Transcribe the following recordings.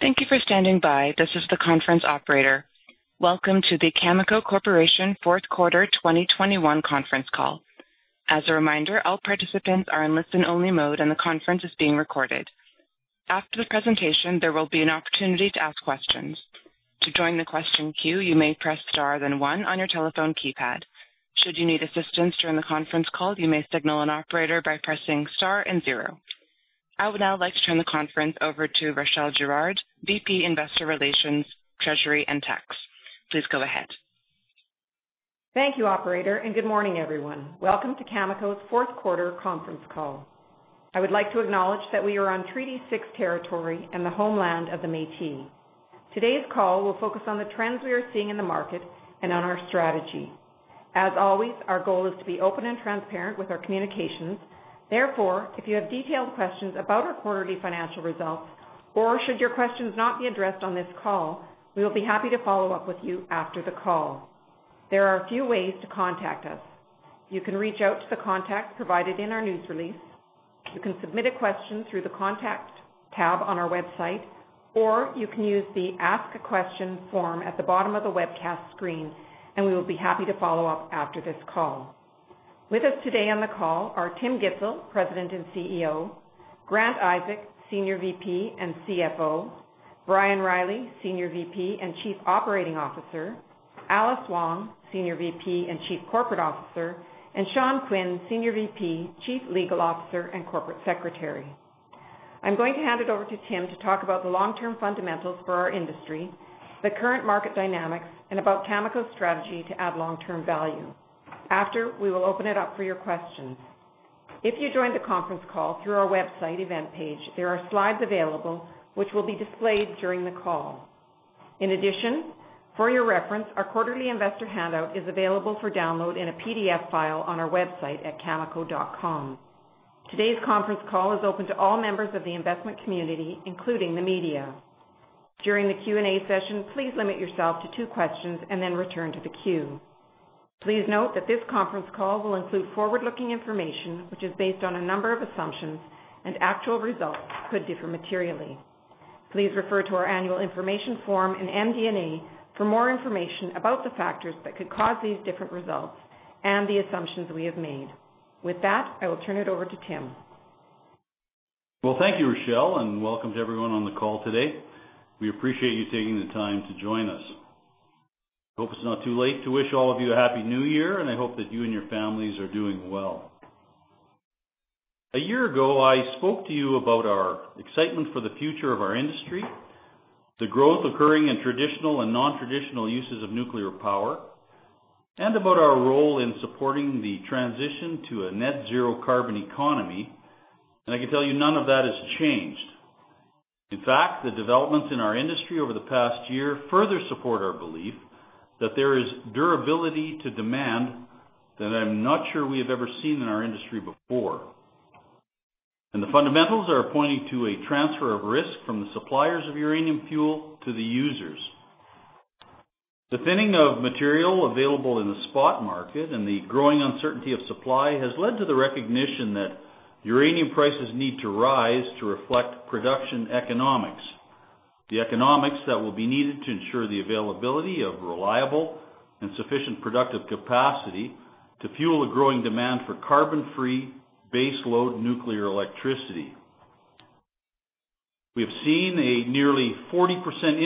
Thank you for standing by. This is the conference operator. Welcome to the Cameco Corporation Q4 2021 Conference Call. As a reminder, all participants are in listen-only mode, and the conference is being recorded. After the presentation, there will be an opportunity to ask questions. To join the question queue, you may press star then one on your telephone keypad. Should you need assistance during the conference call, you may signal an operator by pressing star and zero. I would now like to turn the conference over to Rachelle Girard, VP, Investor Relations, Treasury and Tax. Please go ahead. Thank you, operator, and good morning, everyone. Welcome to Cameco's Q4 conference call. I would like to acknowledge that we are on Treaty 6 territory and the homeland of the Métis. Today's call will focus on the trends we are seeing in the market and on our strategy. As always, our goal is to be open and transparent with our communications. Therefore, if you have detailed questions about our quarterly financial results or should your questions not be addressed on this call, we will be happy to follow up with you after the call. There are a few ways to contact us. You can reach out to the contact provided in our news release. You can submit a question through the Contact tab on our website, or you can use the Ask a Question form at the bottom of the webcast screen, and we will be happy to follow up after this call. With us today on the call are Tim Gitzel, President and CEO, Grant Isaac, Senior VP and CFO, Brian Reilly, Senior VP and Chief Operating Officer, Alice Wong, Senior VP and Chief Corporate Officer, and Sean Quinn, Senior VP, Chief Legal Officer and Corporate Secretary. I'm going to hand it over to Tim to talk about the long-term fundamentals for our industry, the current market dynamics, and about Cameco's strategy to add long-term value. After, we will open it up for your questions. If you joined the conference call through our website event page, there are slides available which will be displayed during the call. In addition, for your reference, our quarterly investor handout is available for download in a PDF file on our website at cameco.com. Today's conference call is open to all members of the investment community, including the media. During the Q&A session, please limit yourself to two questions and then return to the queue. Please note that this conference call will include forward-looking information which is based on a number of assumptions, and actual results could differ materially. Please refer to our Annual Information Form and MD&A for more information about the factors that could cause these different results and the assumptions we have made. With that, I will turn it over to Tim. Well, thank you, Rachelle, and welcome to everyone on the call today. We appreciate you taking the time to join us. Hope it's not too late to wish all of you a Happy New Year, and I hope that you and your families are doing well. A year ago, I spoke to you about our excitement for the future of our industry, the growth occurring in traditional and non-traditional uses of nuclear power, and about our role in supporting the transition to a net zero carbon economy. I can tell you none of that has changed. In fact, the developments in our industry over the past year further support our belief that there is durability to demand that I'm not sure we have ever seen in our industry before. The fundamentals are pointing to a transfer of risk from the suppliers of uranium fuel to the users. The thinning of material available in the spot market and the growing uncertainty of supply has led to the recognition that uranium prices need to rise to reflect production economics, the economics that will be needed to ensure the availability of reliable and sufficient productive capacity to fuel the growing demand for carbon-free baseload nuclear electricity. We have seen a nearly 40%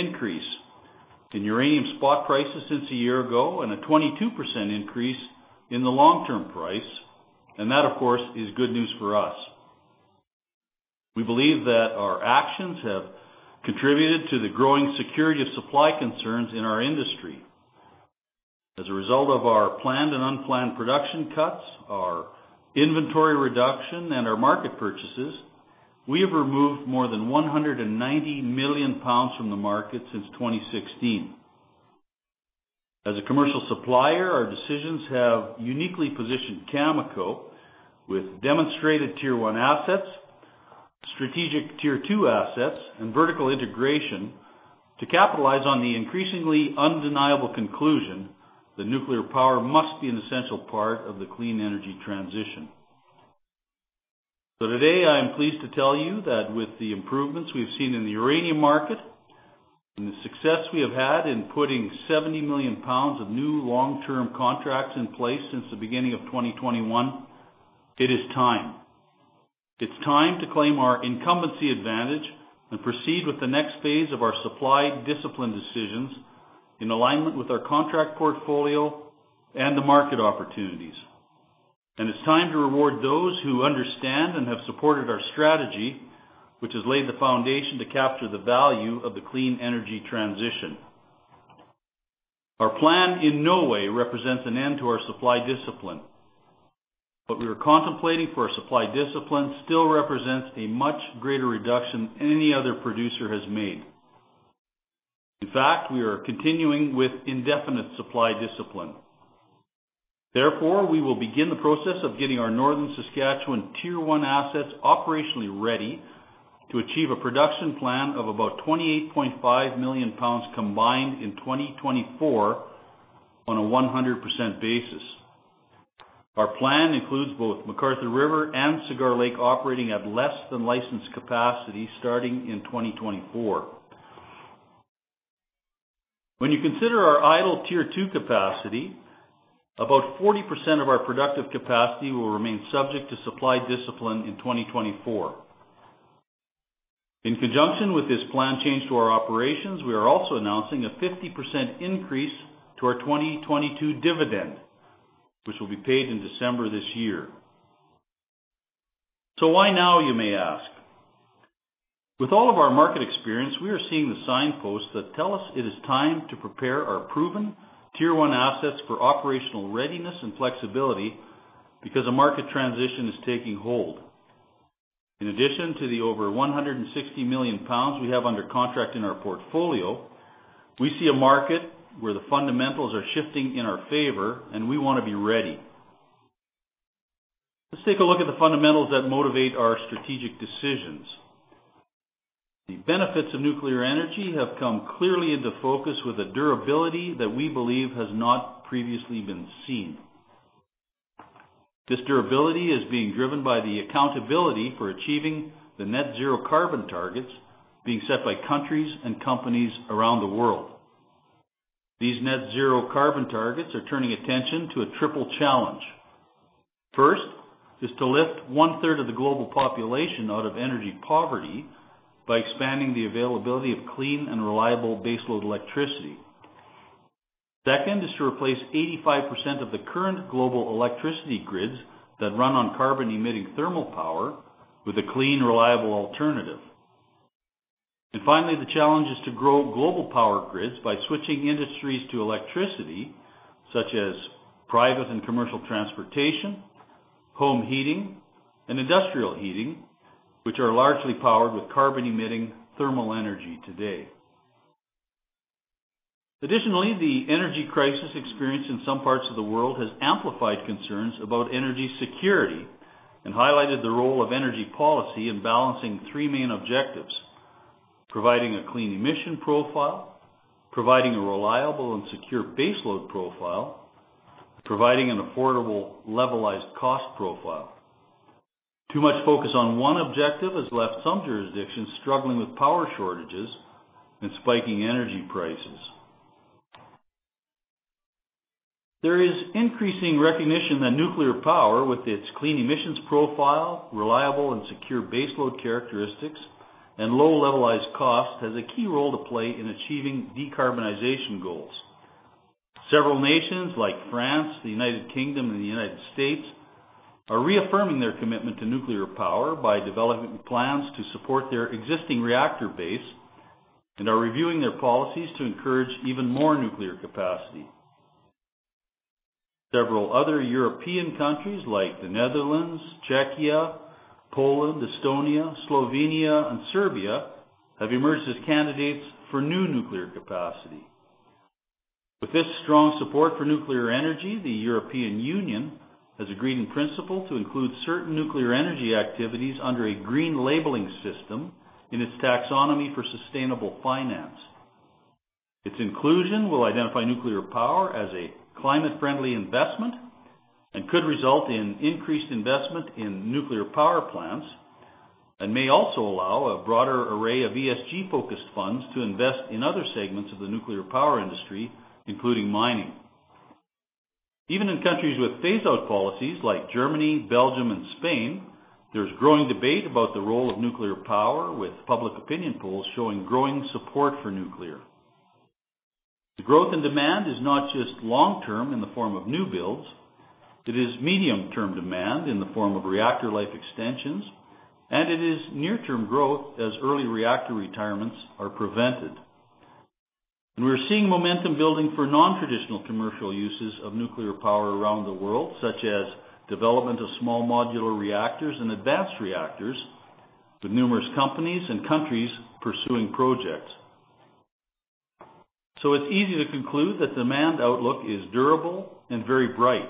increase in uranium spot prices since a year ago and a 22% increase in the long-term price. That, of course, is good news for us. We believe that our actions have contributed to the growing security of supply concerns in our industry. As a result of our planned and unplanned production cuts, our inventory reduction and our market purchases, we have removed more than 190 million pounds from the market since 2016. As a commercial supplier, our decisions have uniquely positioned Cameco with demonstrated Tier one assets, strategic Tier two assets, and vertical integration to capitalize on the increasingly undeniable conclusion that nuclear power must be an essential part of the clean energy transition. Today, I am pleased to tell you that with the improvements we've seen in the uranium market and the success we have had in putting 70 million pounds of new long term contracts in place since the beginning of 2021, it is time. It's time to claim our incumbency advantage and proceed with the next phase of our supply discipline decisions in alignment with our contract portfolio and the market opportunities. It's time to reward those who understand and have supported our strategy, which has laid the foundation to capture the value of the clean energy transition. Our plan in no way represents an end to our supply discipline. What we are contemplating for our supply discipline still represents a much greater reduction than any other producer has made. In fact, we are continuing with indefinite supply discipline. Therefore, we will begin the process of getting our Northern Saskatchewan Tier One assets operationally ready to achieve a production plan of about 28.5 million pounds combined in 2024 on a 100% basis. Our plan includes both McArthur River and Cigar Lake operating at less than licensed capacity starting in 2024. When you consider our idle Tier Two capacity, about 40% of our productive capacity will remain subject to supply discipline in 2024. In conjunction with this plan change to our operations, we are also announcing a 50% increase to our 2022 dividend, which will be paid in December this year. Why now, you may ask? With all of our market experience, we are seeing the signposts that tell us it is time to prepare our proven Tier One assets for operational readiness and flexibility because a market transition is taking hold. In addition to the over 160 million pounds we have under contract in our portfolio, we see a market where the fundamentals are shifting in our favor, and we want to be ready. Let's take a look at the fundamentals that motivate our strategic decisions. The benefits of nuclear energy have come clearly into focus with a durability that we believe has not previously been seen. This durability is being driven by the accountability for achieving the net zero carbon targets being set by countries and companies around the world. These net zero carbon targets are turning attention to a triple challenge. First is to lift one-third of the global population out of energy poverty by expanding the availability of clean and reliable baseload electricity. Second is to replace 85% of the current global electricity grids that run on carbon-emitting thermal power with a clean, reliable alternative. Finally, the challenge is to grow global power grids by switching industries to electricity, such as private and commercial transportation, home heating, and industrial heating, which are largely powered with carbon-emitting thermal energy today. Additionally, the energy crisis experienced in some parts of the world has amplified concerns about energy security and highlighted the role of energy policy in balancing three main objectives, providing a clean emission profile, providing a reliable and secure baseload profile, providing an affordable levelized cost profile. Too much focus on one objective has left some jurisdictions struggling with power shortages and spiking energy prices. There is increasing recognition that nuclear power with its clean emissions profile, reliable and secure baseload characteristics, and low levelized cost has a key role to play in achieving decarbonization goals. Several nations like France, the United Kingdom, and the United States are reaffirming their commitment to nuclear power by developing plans to support their existing reactor base and are reviewing their policies to encourage even more nuclear capacity. Several other European countries, like the Netherlands, Czechia, Poland, Estonia, Slovenia, and Serbia, have emerged as candidates for new nuclear capacity. With this strong support for nuclear energy, the European Union has agreed in principle to include certain nuclear energy activities under a green labeling system in its taxonomy for sustainable finance. Its inclusion will identify nuclear power as a climate-friendly investment and could result in increased investment in nuclear power plants and may also allow a broader array of ESG-focused funds to invest in other segments of the nuclear power industry, including mining. Even in countries with phase-out policies like Germany, Belgium, and Spain, there's growing debate about the role of nuclear power, with public opinion polls showing growing support for nuclear. The growth in demand is not just long-term in the form of new builds, it is medium-term demand in the form of reactor life extensions, and it is near-term growth as early reactor retirements are prevented. We're seeing momentum building for non-traditional commercial uses of nuclear power around the world, such as development of small modular reactors and advanced reactors, with numerous companies and countries pursuing projects. It's easy to conclude that demand outlook is durable and very bright.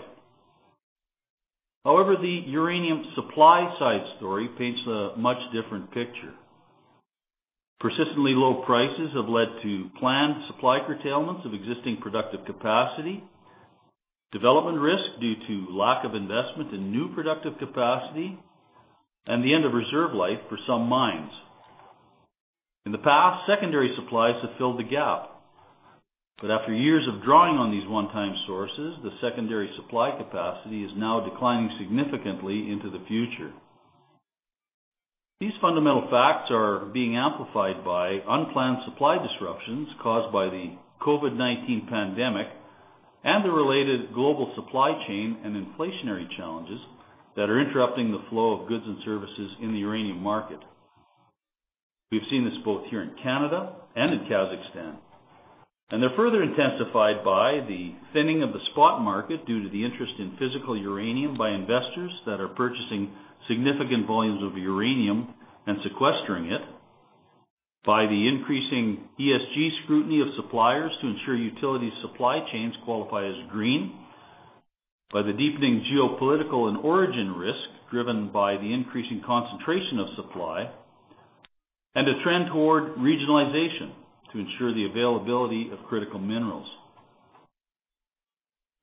However, the uranium supply side story paints a much different picture. Persistently low prices have led to planned supply curtailments of existing productive capacity, development risk due to lack of investment in new productive capacity, and the end of reserve life for some mines. In the past, secondary supplies have filled the gap, but after years of drawing on these one-time sources, the secondary supply capacity is now declining significantly into the future. These fundamental facts are being amplified by unplanned supply disruptions caused by the COVID-19 pandemic and the related global supply chain and inflationary challenges that are interrupting the flow of goods and services in the uranium market. We've seen this both here in Canada and in Kazakhstan, and they're further intensified by the thinning of the spot market due to the interest in physical uranium by investors that are purchasing significant volumes of uranium and sequestering it, by the increasing ESG scrutiny of suppliers to ensure utility supply chains qualify as green, by the deepening geopolitical and origin risk driven by the increasing concentration of supply and a trend toward regionalization to ensure the availability of critical minerals.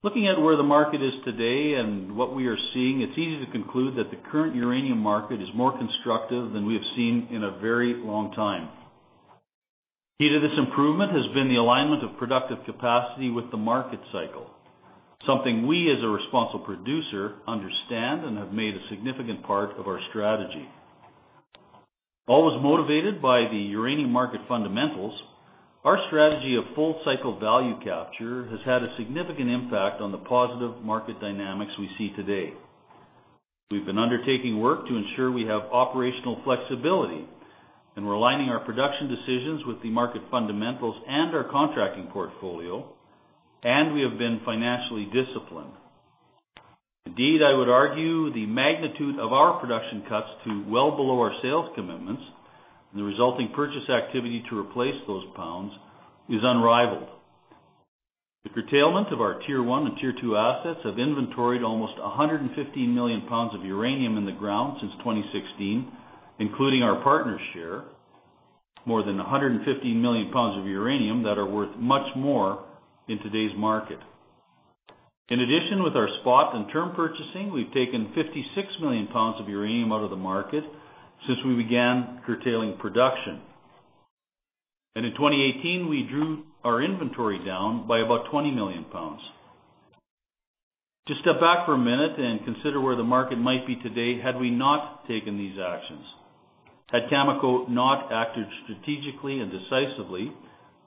Looking at where the market is today and what we are seeing, it's easy to conclude that the current uranium market is more constructive than we have seen in a very long time. Key to this improvement has been the alignment of productive capacity with the market cycle, something we, as a responsible producer, understand and have made a significant part of our strategy. Always motivated by the uranium market fundamentals, our strategy of full cycle value capture has had a significant impact on the positive market dynamics we see today. We've been undertaking work to ensure we have operational flexibility, and we're aligning our production decisions with the market fundamentals and our contracting portfolio, and we have been financially disciplined. Indeed, I would argue the magnitude of our production cuts to well below our sales commitments and the resulting purchase activity to replace those pounds is unrivaled. The curtailment of our Tier One and Tier Two assets have inventoried almost 115 million pounds of uranium in the ground since 2016, including our partner's share, more than 115 million pounds of uranium that are worth much more in today's market. In addition, with our spot and term purchasing, we've taken 56 million pounds of uranium out of the market since we began curtailing production. In 2018 we drew our inventory down by about 20 million pounds. To step back for a minute and consider where the market might be today had we not taken these actions, had Cameco not acted strategically and decisively,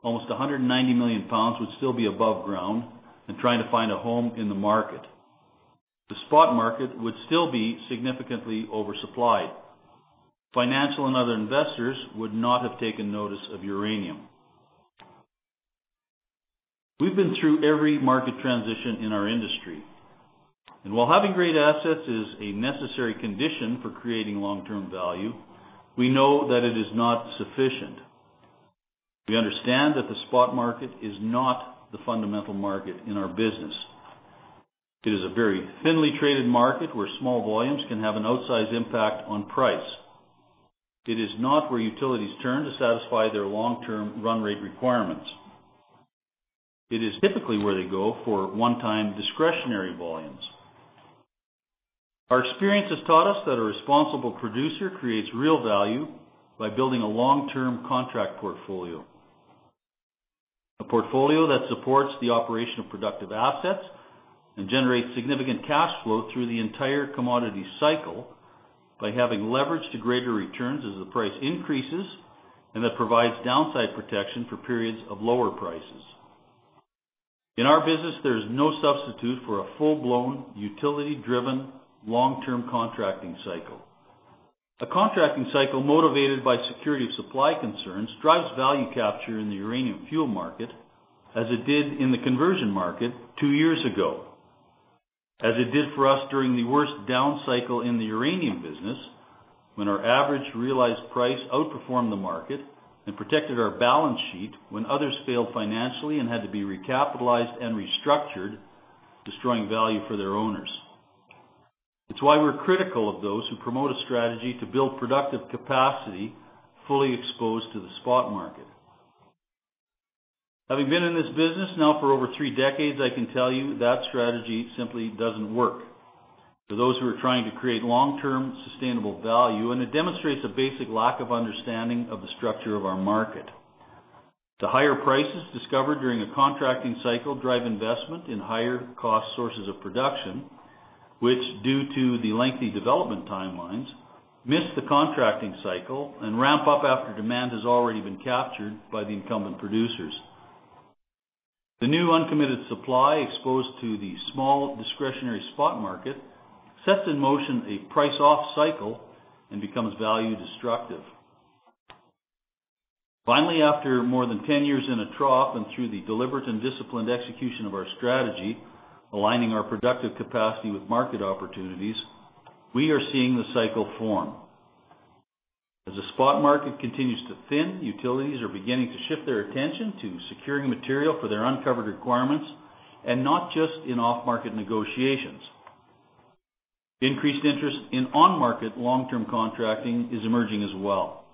almost 190 million pounds would still be above ground and trying to find a home in the market. The spot market would still be significantly oversupplied. Financial and other investors would not have taken notice of uranium. We've been through every market transition in our industry, and while having great assets is a necessary condition for creating long-term value, we know that it is not sufficient. We understand that the spot market is not the fundamental market in our business. It is a very thinly traded market where small volumes can have an outsized impact on price. It is not where utilities turn to satisfy their long-term run rate requirements. It is typically where they go for one-time discretionary volumes. Our experience has taught us that a responsible producer creates real value by building a long-term contract portfolio. A portfolio that supports the operation of productive assets and generates significant cash flow through the entire commodity cycle by having leverage to greater returns as the price increases, and that provides downside protection for periods of lower prices. In our business, there is no substitute for a full-blown, utility-driven, long-term contracting cycle. A contracting cycle motivated by security of supply concerns drives value capture in the uranium fuel market, as it did in the conversion market two years ago, as it did for us during the worst down cycle in the uranium business when our average realized price outperformed the market and protected our balance sheet when others failed financially and had to be recapitalized and restructured, destroying value for their owners. It's why we're critical of those who promote a strategy to build productive capacity fully exposed to the spot market. Having been in this business now for over three decades, I can tell you that strategy simply doesn't work for those who are trying to create long-term sustainable value, and it demonstrates a basic lack of understanding of the structure of our market. The higher prices discovered during a contracting cycle drive investment in higher cost sources of production, which, due to the lengthy development timelines, miss the contracting cycle and ramp up after demand has already been captured by the incumbent producers. The new uncommitted supply exposed to the small discretionary spot market sets in motion a price off cycle and becomes value destructive. Finally, after more than 10 years in a trough and through the deliberate and disciplined execution of our strategy, aligning our productive capacity with market opportunities, we are seeing the cycle form. As the spot market continues to thin, utilities are beginning to shift their attention to securing material for their uncovered requirements and not just in off-market negotiations. Increased interest in on-market long-term contracting is emerging as well.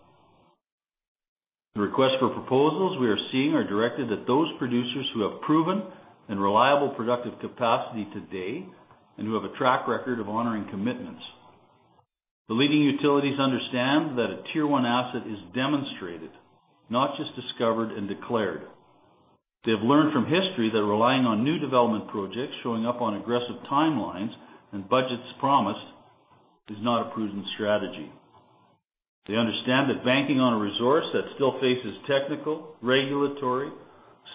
The request for proposals we are seeing are directed at those producers who have proven and reliable productive capacity today and who have a track record of honoring commitments. The leading utilities understand that a Tier One asset is demonstrated, not just discovered and declared. They have learned from history that relying on new development projects showing up on aggressive timelines and budgets promised is not a prudent strategy. They understand that banking on a resource that still faces technical, regulatory,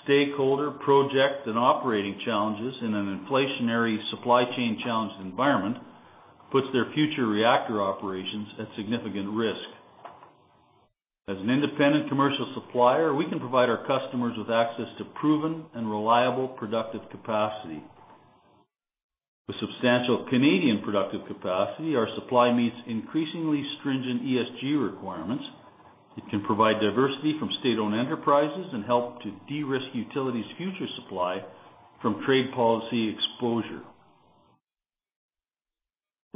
stakeholder, project, and operating challenges in an inflationary supply chain challenged environment puts their future reactor operations at significant risk. As an independent commercial supplier, we can provide our customers with access to proven and reliable productive capacity. With substantial Canadian productive capacity, our supply meets increasingly stringent ESG requirements. It can provide diversity from state-owned enterprises and help to de-risk utilities' future supply from trade policy exposure.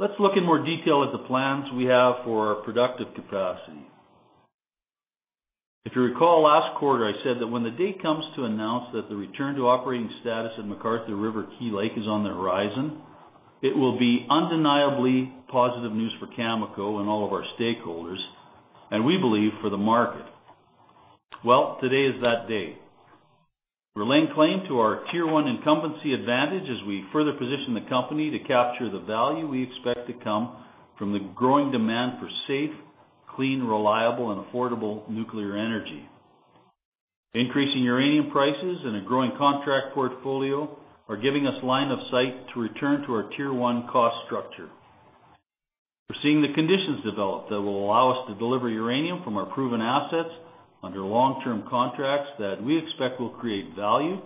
Let's look in more detail at the plans we have for our productive capacity. If you recall last quarter, I said that when the day comes to announce that the return to operating status of McArthur River/Key Lake is on the horizon, it will be undeniably positive news for Cameco and all of our stakeholders, and we believe for the market. Well, today is that day. We're laying claim to our tier one incumbency advantage as we further position the company to capture the value we expect to come from the growing demand for safe, clean, reliable and affordable nuclear energy. Increasing uranium prices and a growing contract portfolio are giving us line of sight to return to our tier one cost structure. We're seeing the conditions develop that will allow us to deliver uranium from our proven assets under long-term contracts that we expect will create value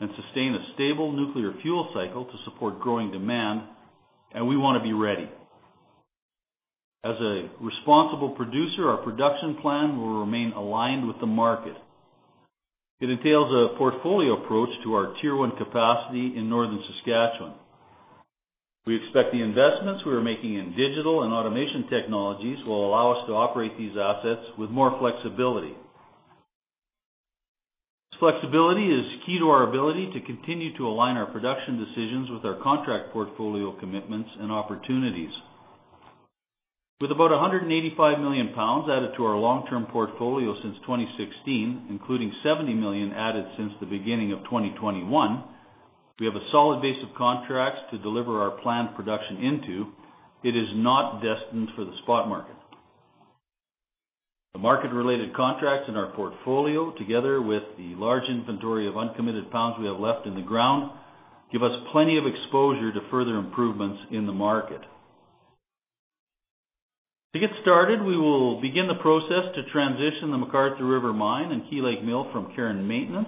and sustain a stable nuclear fuel cycle to support growing demand, and we wanna be ready. As a responsible producer, our production plan will remain aligned with the market. It entails a portfolio approach to our tier one capacity in Northern Saskatchewan. We expect the investments we are making in digital and automation technologies will allow us to operate these assets with more flexibility. This flexibility is key to our ability to continue to align our production decisions with our contract portfolio commitments and opportunities. With about 185 million pounds added to our long-term portfolio since 2016, including 70 million added since the beginning of 2021, we have a solid base of contracts to deliver our planned production into. It is not destined for the spot market. The market-related contracts in our portfolio, together with the large inventory of uncommitted pounds we have left in the ground, give us plenty of exposure to further improvements in the market. To get started, we will begin the process to transition the McArthur River mine and Key Lake mill from care and maintenance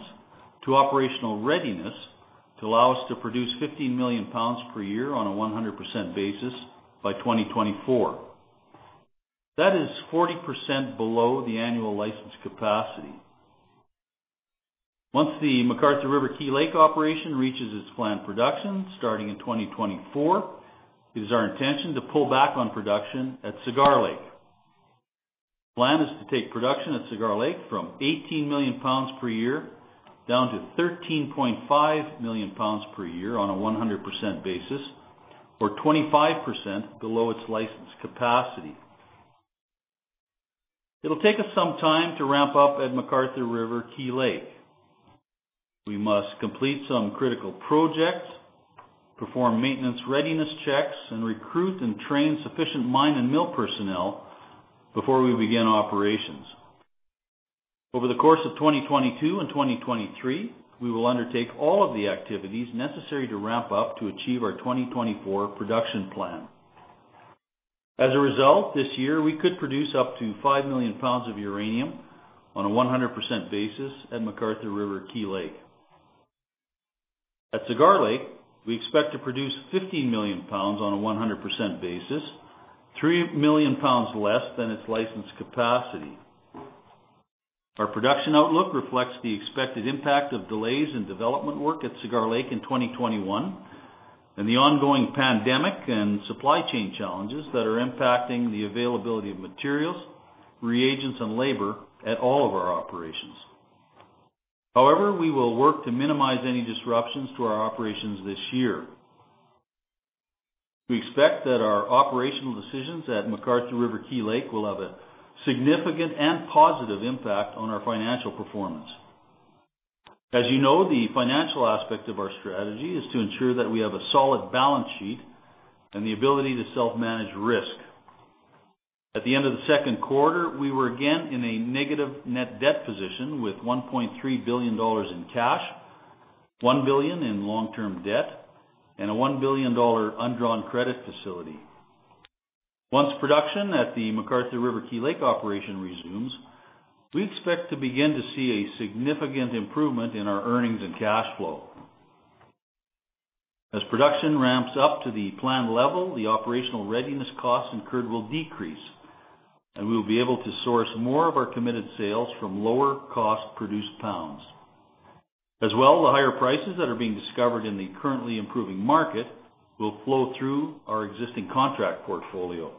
to operational readiness to allow us to produce 15 million pounds per year on a 100% basis by 2024. That is 40% below the annual license capacity. Once the McArthur River/Key Lake operation reaches its planned production starting in 2024, it is our intention to pull back on production at Cigar Lake. The plan is to take production at Cigar Lake from 18 million pounds per year down to 13.5 million pounds per year on a 100% basis or 25% below its licensed capacity. It'll take us some time to ramp up at McArthur River/Key Lake. We must complete some critical projects, perform maintenance readiness checks, and recruit and train sufficient mine and mill personnel before we begin operations. Over the course of 2022 and 2023, we will undertake all of the activities necessary to ramp up to achieve our 2024 production plan. As a result, this year we could produce up to 5 million pounds of uranium on a 100% basis at McArthur River/Key Lake. At Cigar Lake, we expect to produce 15 million pounds on a 100% basis, 3 million pounds less than its licensed capacity. Our production outlook reflects the expected impact of delays in development work at Cigar Lake in 2021 and the ongoing pandemic and supply chain challenges that are impacting the availability of materials, reagents and labor at all of our operations. However, we will work to minimize any disruptions to our operations this year. We expect that our operational decisions at McArthur River/Key Lake will have a significant and positive impact on our financial performance. As you know, the financial aspect of our strategy is to ensure that we have a solid balance sheet and the ability to self-manage risk. At the end of the Q2, we were again in a negative net debt position with 1.3 billion dollars in cash, 1 billion in long-term debt, and a 1 billion dollar undrawn credit facility. Once production at the McArthur River/Key Lake operation resumes, we expect to begin to see a significant improvement in our earnings and cash flow. As production ramps up to the planned level, the operational readiness costs incurred will decrease, and we will be able to source more of our committed sales from lower cost produced pounds. As well, the higher prices that are being discovered in the currently improving market will flow through our existing contract portfolio.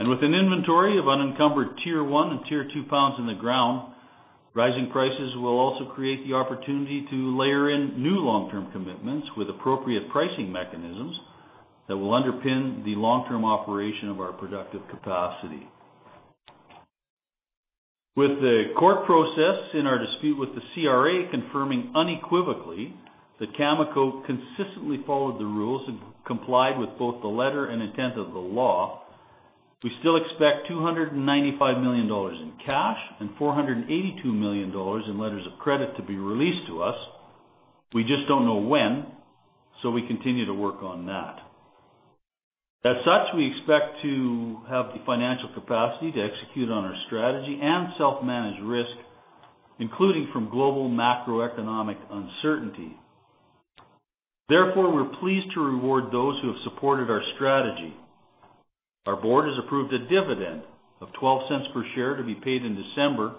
With an inventory of unencumbered Tier One and Tier Two pounds in the ground, rising prices will also create the opportunity to layer in new long-term commitments with appropriate pricing mechanisms that will underpin the long-term operation of our productive capacity. With the court process in our dispute with the CRA confirming unequivocally that Cameco consistently followed the rules and complied with both the letter and intent of the law, we still expect 295 million dollars in cash and 482 million dollars in letters of credit to be released to us. We just don't know when, so we continue to work on that. As such, we expect to have the financial capacity to execute on our strategy and self-manage risk, including from global macroeconomic uncertainty. Therefore, we're pleased to reward those who have supported our strategy. Our board has approved a dividend of 0.12/share to be paid in December,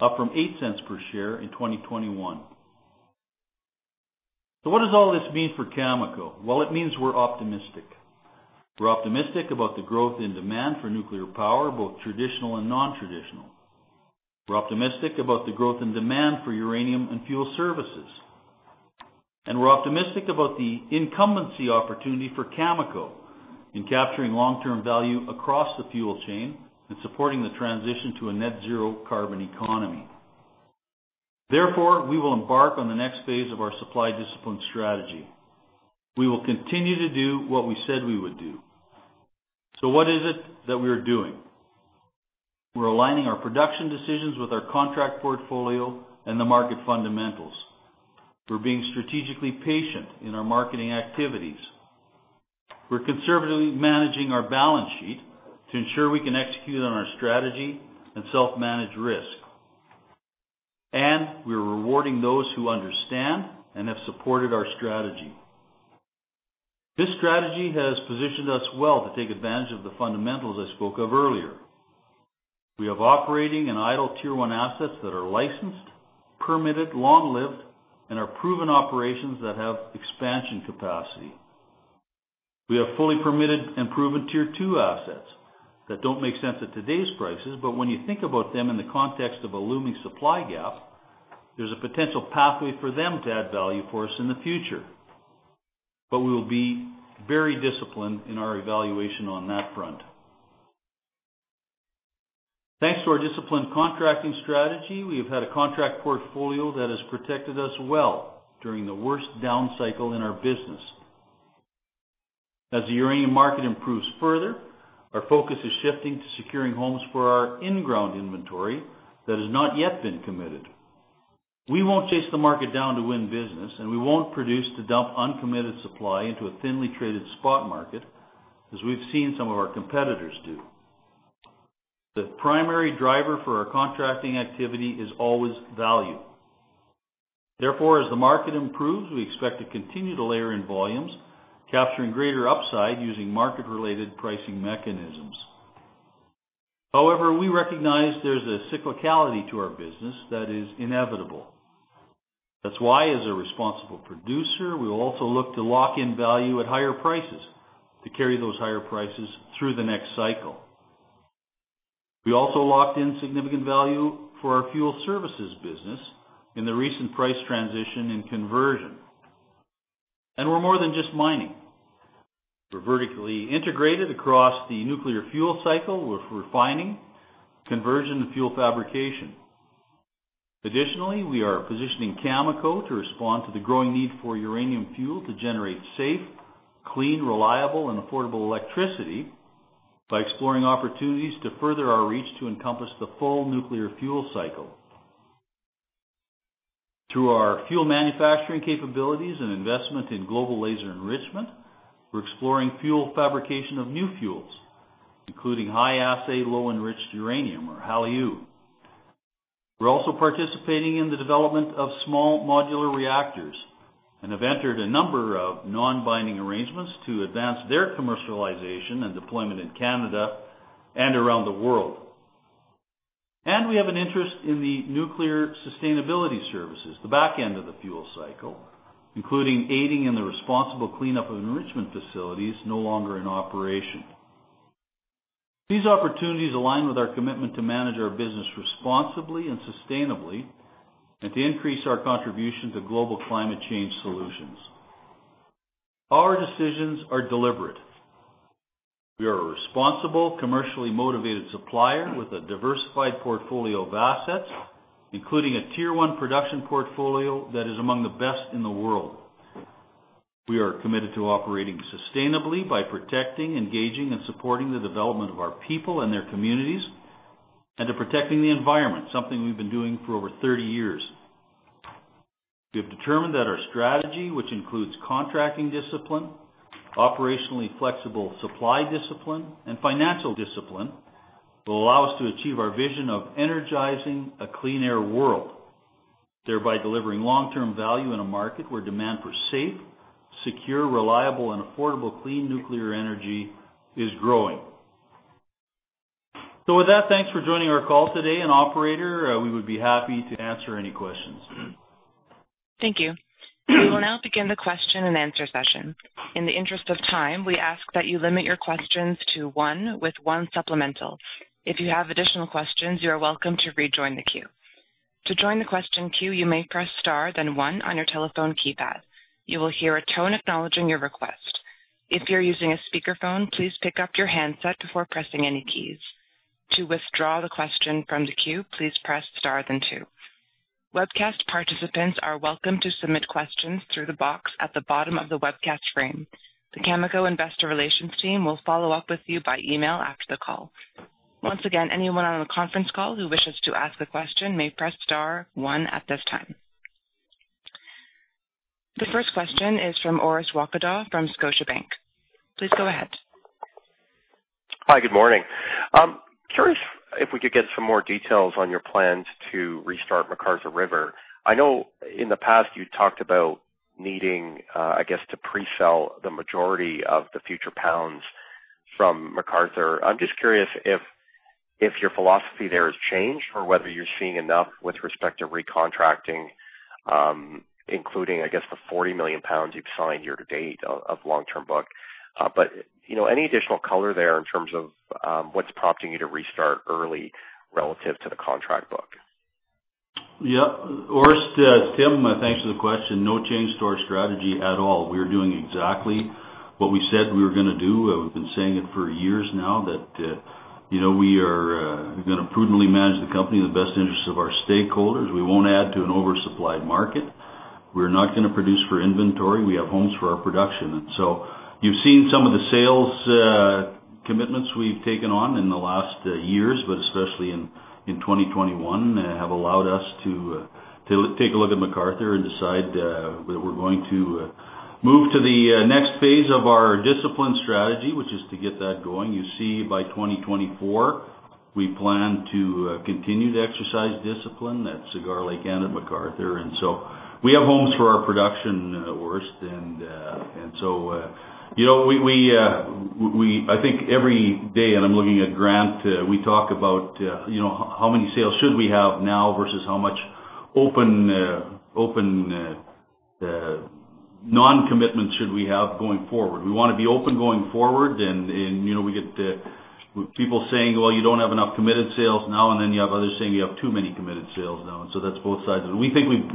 up from 0.08/share in 2021. What does all this mean for Cameco? Well, it means we're optimistic. We're optimistic about the growth in demand for nuclear power, both traditional and non-traditional. We're optimistic about the growth in demand for uranium and fuel services. And we're optimistic about the incumbency opportunity for Cameco in capturing long-term value across the fuel chain and supporting the transition to a net zero carbon economy. Therefore, we will embark on the next phase of our supply discipline strategy. We will continue to do what we said we would do. What is it that we are doing? We're aligning our production decisions with our contract portfolio and the market fundamentals. We're being strategically patient in our marketing activities. We're conservatively managing our balance sheet to ensure we can execute on our strategy and self-manage risk. We're rewarding those who understand and have supported our strategy. This strategy has positioned us well to take advantage of the fundamentals I spoke of earlier. We have operating and idle Tier One assets that are licensed, permitted, long-lived, and are proven operations that have expansion capacity. We have fully permitted and proven Tier Two assets that don't make sense at today's prices, but when you think about them in the context of a looming supply gap, there's a potential pathway for them to add value for us in the future. We will be very disciplined in our evaluation on that front. Thanks to our disciplined contracting strategy, we have had a contract portfolio that has protected us well during the worst down cycle in our business. As the uranium market improves further, our focus is shifting to securing homes for our in-ground inventory that has not yet been committed. We won't chase the market down to win business, and we won't produce to dump uncommitted supply into a thinly traded spot market, as we've seen some of our competitors do. The primary driver for our contracting activity is always value. Therefore, as the market improves, we expect to continue to layer in volumes, capturing greater upside using market-related pricing mechanisms. However, we recognize there's a cyclicality to our business that is inevitable. That's why, as a responsible producer, we will also look to lock in value at higher prices to carry those higher prices through the next cycle. We also locked in significant value for our fuel services business in the recent price transition and conversion, and we're more than just mining. We're vertically integrated across the nuclear fuel cycle with refining, conversion to fuel fabrication. Additionally, we are positioning Cameco to respond to the growing need for uranium fuel to generate safe, clean, reliable and affordable electricity by exploring opportunities to further our reach to encompass the full nuclear fuel cycle. Through our fuel manufacturing capabilities and investment in Global Laser Enrichment, we're exploring fuel fabrication of new fuels, including high assay, low enriched uranium or HALEU. We're also participating in the development of small modular reactors and have entered a number of non-binding arrangements to advance their commercialization and deployment in Canada and around the world. We have an interest in the nuclear sustainability services, the back end of the fuel cycle, including aiding in the responsible cleanup of enrichment facilities no longer in operation. These opportunities align with our commitment to manage our business responsibly and sustainably and to increase our contribution to global climate change solutions. Our decisions are deliberate. We are a responsible, commercially motivated supplier with a diversified portfolio of assets, including a Tier One production portfolio that is among the best in the world. We are committed to operating sustainably by protecting, engaging, and supporting the development of our people and their communities, and to protecting the environment, something we've been doing for over 30 years. We have determined that our strategy, which includes contracting discipline, operationally flexible supply discipline, and financial discipline, will allow us to achieve our vision of energizing a clean air world, thereby delivering long term value in a market where demand for safe, secure, reliable and affordable clean nuclear energy is growing. With that, thanks for joining our call today. Operator, we would be happy to answer any questions. Thank you. We will now begin the question and answer session. In the interest of time, we ask that you limit your questions to one with one supplemental. If you have additional questions, you are welcome to rejoin the queue. To join the question queue, you may press star then one on your telephone keypad. You will hear a tone acknowledging your request. If you're using a speakerphone, please pick up your handset before pressing any keys. To withdraw the question from the queue, please press star then two. Webcast participants are welcome to submit questions through the box at the bottom of the webcast frame. The Cameco investor relations team will follow up with you by email after the call. Once again, anyone on the conference call who wishes to ask a question may press star one at this time. The first question is from Orest Wowkodaw from Scotiabank. Please go ahead. Hi. Good morning. If we could get some more details on your plans to restart McArthur River. I know in the past you talked about needing, I guess, to pre-sell the majority of the future pounds from McArthur. I'm just curious if your philosophy there has changed or whether you're seeing enough with respect to recontracting, including, I guess the 40 million pounds you've signed year to date of long-term book. You know, any additional color there in terms of what's prompting you to restart early relative to the contract book? Yeah. Orest, Tim, thanks for the question. No change to our strategy at all. We are doing exactly what we said we were gonna do. We've been saying it for years now that, you know, we are gonna prudently manage the company in the best interest of our stakeholders. We won't add to an oversupplied market. We're not gonna produce for inventory. We have homes for our production. You've seen some of the sales commitments we've taken on in the last years, but especially in 2021, have allowed us to take a look at McArthur and decide that we're going to move to the next phase of our discipline strategy, which is to get that going. You see, by 2024, we plan to continue to exercise discipline at Cigar Lake and at McArthur. We have homes for our production, Orest. You know, we think every day, and I'm looking at Grant, we talk about you know, how many sales should we have now versus how much open non-commitments should we have going forward. We wanna be open going forward and you know, we get people saying, "Well, you don't have enough committed sales now," and then you have others saying, "You have too many committed sales now." That's both sides. We think we've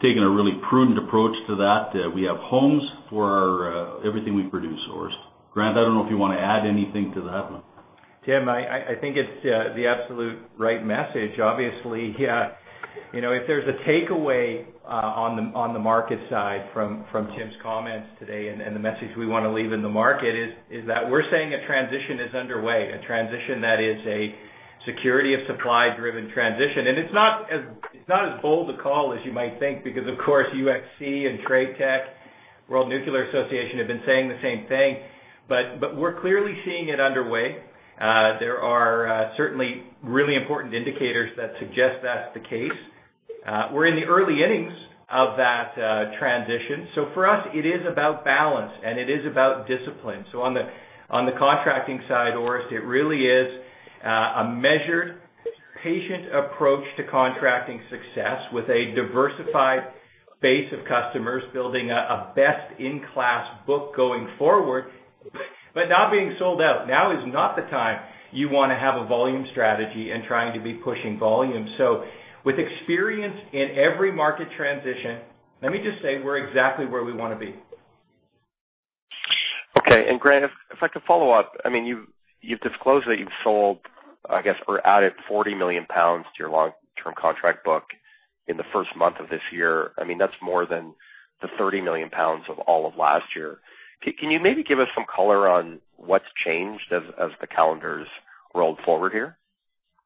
taken a really prudent approach to that. We have homes for our everything we produce, Orest. Grant, I don't know if you wanna add anything to that one. Tim, I think it's the absolute right message. Obviously, you know, if there's a takeaway on the markets side from Tim's comments today, and the message we wanna leave in the market is that we're saying a transition is underway, a transition that is a security of supply-driven transition. It's not as bold a call as you might think because, of course, UxC and TradeTech, World Nuclear Association have been saying the same thing. We're clearly seeing it underway. There are certainly really important indicators that suggest that's the case. We're in the early innings of that transition. For us, it is about balance, and it is about discipline. On the contracting side, Orest, it really is a measured, patient approach to contracting success with a diversified base of customers building a best-in-class book going forward, but not being sold out. Now is not the time you wanna have a volume strategy and trying to be pushing volume. With experience in every market transition, let me just say we're exactly where we wanna be. Okay. Grant, if I could follow up. I mean, you've disclosed that you've sold, I guess, or added 40 million pounds to your long-term contract book in the first month of this year. I mean, that's more than the 30 million pounds of all of last year. Can you maybe give us some color on what's changed as the calendar's rolled forward here?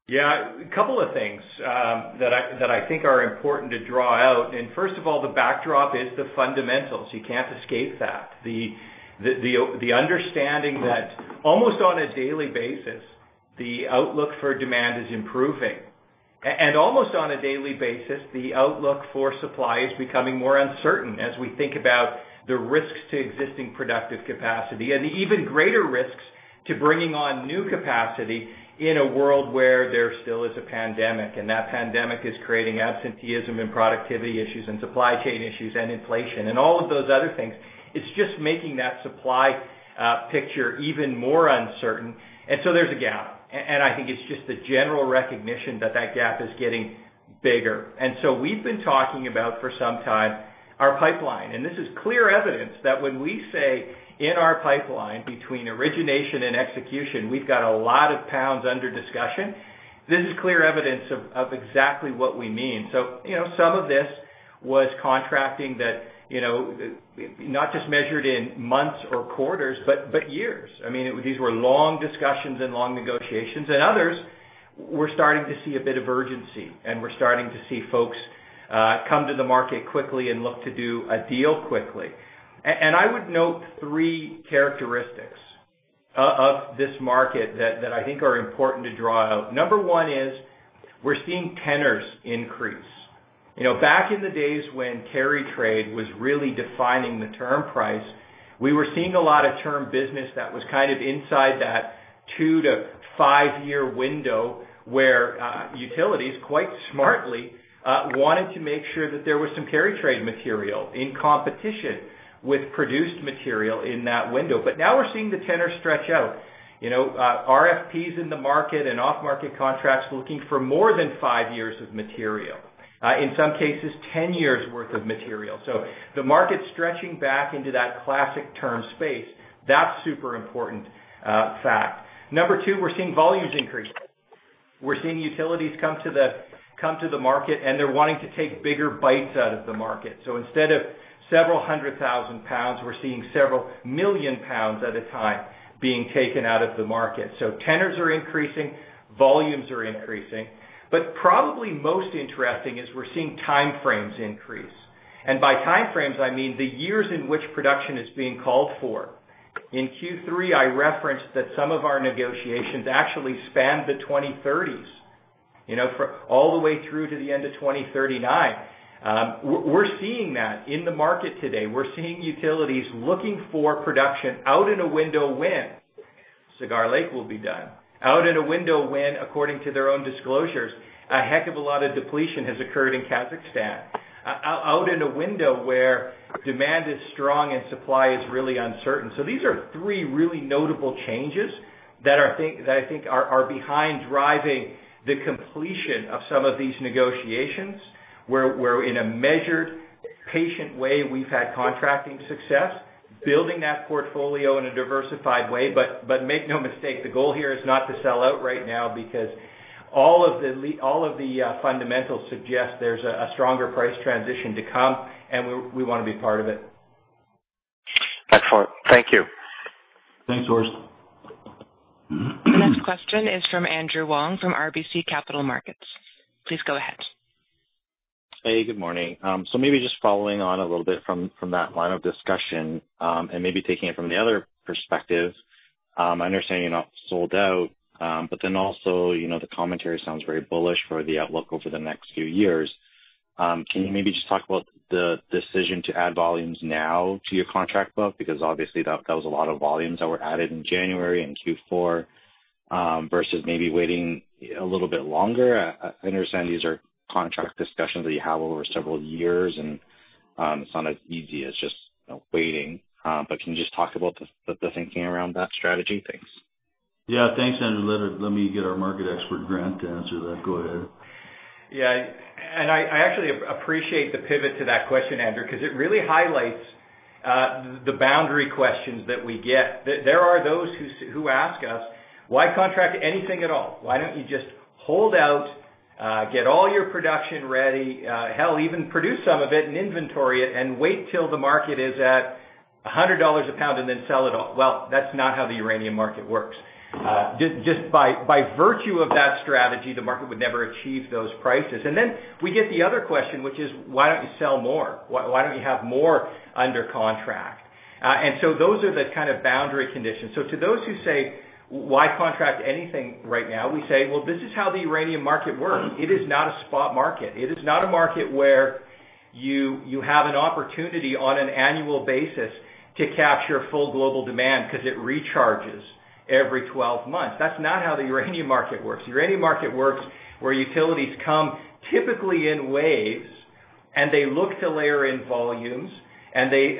Yeah. A couple of things that I think are important to draw out. First of all, the backdrop is the fundamentals. You can't escape that. The understanding that almost on a daily basis, the outlook for demand is improving. Almost on a daily basis, the outlook for supply is becoming more uncertain as we think about the risks to existing productive capacity and the even greater risks to bringing on new capacity in a world where there still is a pandemic. That pandemic is creating absenteeism and productivity issues and supply chain issues and inflation and all of those other things. It's just making that supply picture even more uncertain. There's a gap. I think it's just a general recognition that that gap is getting bigger. We've been talking about, for some time, our pipeline, and this is clear evidence that when we say in our pipeline between origination and execution, we've got a lot of pounds under discussion. This is clear evidence of exactly what we mean. You know, some of this was contracting that not just measured in months or quarters, but years. I mean, these were long discussions and long negotiations. Others, we're starting to see a bit of urgency, and we're starting to see folks come to the market quickly and look to do a deal quickly. And I would note three characteristics of this market that I think are important to draw out. Number one is we're seeing tenors increase. You know, back in the days when carry trade was really defining the term price, we were seeing a lot of term business that was kind of inside that two to five year window where utilities, quite smartly, wanted to make sure that there was some carry trade material in competition with produced material in that window. Now we're seeing the tenor stretch out. You know, RFPs in the market and off-market contracts looking for more than five years of material, in some cases, 10 years worth of material. The market's stretching back into that classic term space. That's super important fact. Number two, we're seeing volumes increase. We're seeing utilities come to the market, and they're wanting to take bigger bites out of the market. Instead of several hundred thousand pounds, we're seeing several million pounds at a time being taken out of the market. Tenors are increasing, volumes are increasing. Probably most interesting is we're seeing timeframes increase. By timeframes, I mean the years in which production is being called for. In Q3, I referenced that some of our negotiations actually spanned the 2030s, you know, for all the way through to the end of 2039. We're seeing that in the market today. We're seeing utilities looking for production out in a window when Cigar Lake will be done, out in a window when, according to their own disclosures, a heck of a lot of depletion has occurred in Kazakhstan. Out in a window where demand is strong and supply is really uncertain. These are three really notable changes that I think are behind driving the completion of some of these negotiations, where in a measured, patient way, we've had contracting success, building that portfolio in a diversified way. Make no mistake, the goal here is not to sell out right now because all of the fundamentals suggest there's a stronger price transition to come, and we wanna be part of it. Excellent. Thank you. Thanks, Orest. Next question is from Andrew Wong from RBC Capital Markets. Please go ahead. Hey, good morning. Maybe just following on a little bit from that line of discussion, and maybe taking it from the other perspective. I understand you're not sold out, but then also, you know, the commentary sounds very bullish for the outlook over the next few years. Can you maybe just talk about the decision to add volumes now to your contract book? Because obviously that was a lot of volumes that were added in January and Q4, versus maybe waiting a little bit longer. I understand these are contract discussions that you have over several years, and it's not as easy as just waiting. But can you just talk about the thinking around that strategy? Thanks. Yeah. Thanks, Andrew. Let me get our market expert, Grant, to answer that. Go ahead. I actually appreciate the pivot to that question, Andrew, because it really highlights the boundary questions that we get. There are those who ask us, "Why contract anything at all? Why don't you just hold out, get all your production ready, hell, even produce some of it and inventory it and wait till the market is at $100 a pound and then sell it all?" Well, that's not how the uranium market works. Just by virtue of that strategy, the market would never achieve those prices. We get the other question, which is, "Why don't you sell more? Why don't you have more under contract?" Well, those are the kind of boundary conditions. To those who say, "Why contract anything right now?" We say, "Well, this is how the uranium market works." It is not a spot market. It is not a market where you have an opportunity on an annual basis to capture full global demand because it recharges every 12 months. That's not how the uranium market works. Uranium market works where utilities come typically in waves, and they look to layer in volumes, and they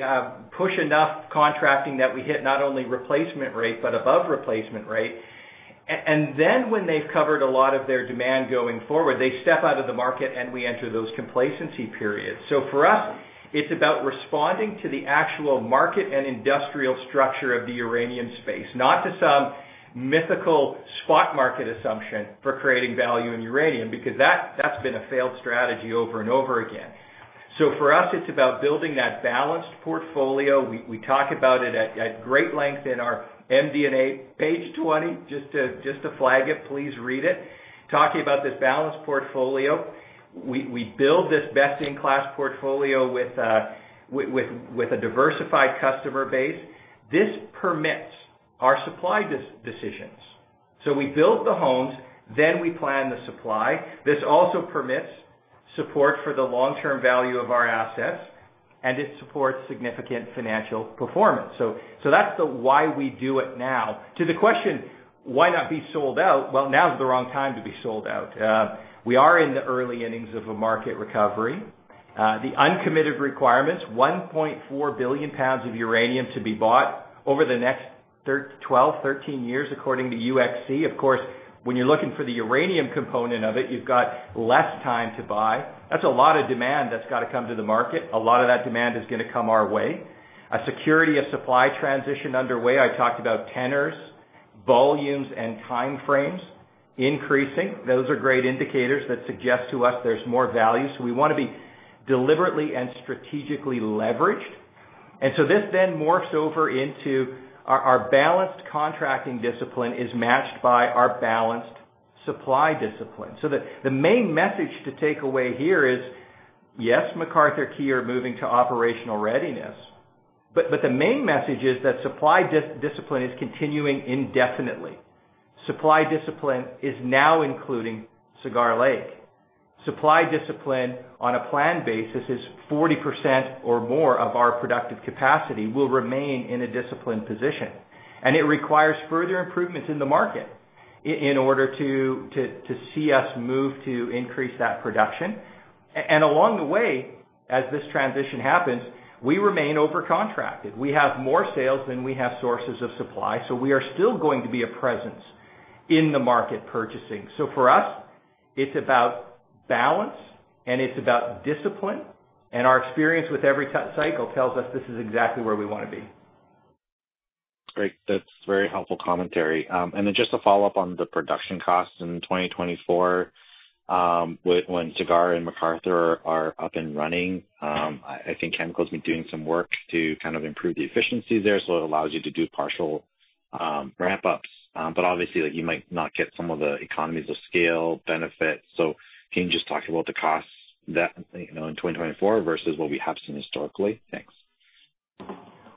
push enough contracting that we hit not only replacement rate, but above replacement rate. Then when they've covered a lot of their demand going forward, they step out of the market, and we enter those complacency periods. For us, it's about responding to the actual market and industrial structure of the uranium space, not to some mythical spot market assumption for creating value in uranium, because that's been a failed strategy over and over again. For us, it's about building that balanced portfolio. We talk about it at great length in our MD&A, page 20, just to flag it, please read it. Talking about this balanced portfolio. We build this best-in-class portfolio with a diversified customer base. This permits our supply decisions. We build the homes, then we plan the supply. This also permits support for the long-term value of our assets, and it supports significant financial performance. That's why we do it now. To the question, why not be sold out? Well, now is the wrong time to be sold out. We are in the early innings of a market recovery. The uncommitted requirements, 1.4 billion pounds of uranium to be bought over the next 12-13 years, according to UxC. Of course, when you're looking for the uranium component of it, you've got less time to buy. That's a lot of demand that's got to come to the market. A lot of that demand is gonna come our way. A security of supply transition is underway. I talked about tenors, volumes, and time frames increasing. Those are great indicators that suggest to us there's more value. We want to be deliberately and strategically leveraged. This then morphs over into our balanced contracting discipline is matched by our balanced supply discipline. The main message to take away here is, yes, McArthur/Key are moving to operational readiness. The main message is that supply discipline is continuing indefinitely. Supply discipline is now including Cigar Lake. Supply discipline on a planned basis is 40% or more of our productive capacity will remain in a disciplined position. It requires further improvements in the market in order to see us move to increase that production. Along the way, as this transition happens, we remain over-contracted. We have more sales than we have sources of supply, so we are still going to be a presence in the market purchasing. For us, it's about balance, and it's about discipline, and our experience with every cycle tells us this is exactly where we want to be. Great. That's very helpful commentary. Just to follow up on the production costs in 2024, when Cigar and McArthur are up and running, I think Cameco's been doing some work to kind of improve the efficiencies there, so it allows you to do partial ramp ups, but obviously like you might not get some of the economies of scale benefits. Can you just talk about the costs that, you know, in 2024 versus what we have seen historically? Thanks.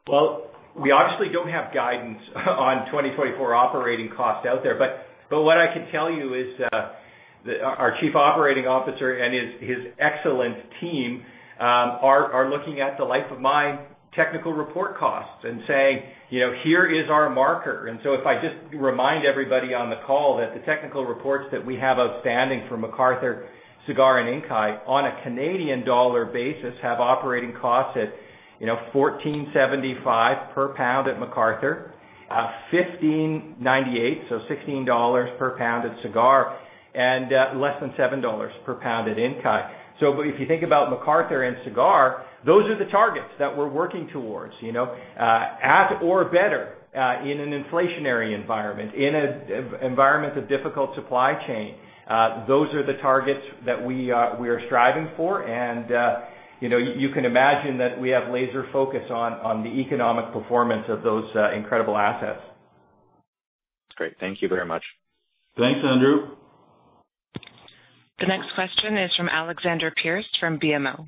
Well, we obviously don't have guidance on 2024 operating costs out there. What I can tell you is, our Chief Operating Officer and his excellent team are looking at the life of mine technical report costs and saying, "You know, here is our marker." If I just remind everybody on the call that the technical reports that we have outstanding from McArthur, Cigar, and Inkai on a Canadian dollar basis have operating costs at, you know, 14.75 per pound at McArthur, 15.98, so 16 dollars per pound at Cigar, and less than 7 dollars per pound at Inkai. If you think about McArthur and Cigar, those are the targets that we're working towards, you know, at or better in an inflationary environment, in an environment of difficult supply chain. Those are the targets that we are striving for. You know, you can imagine that we have laser focus on the economic performance of those incredible assets. Great. Thank you very much. Thanks, Andrew. The next question is from Alexander Pearce, from BMO.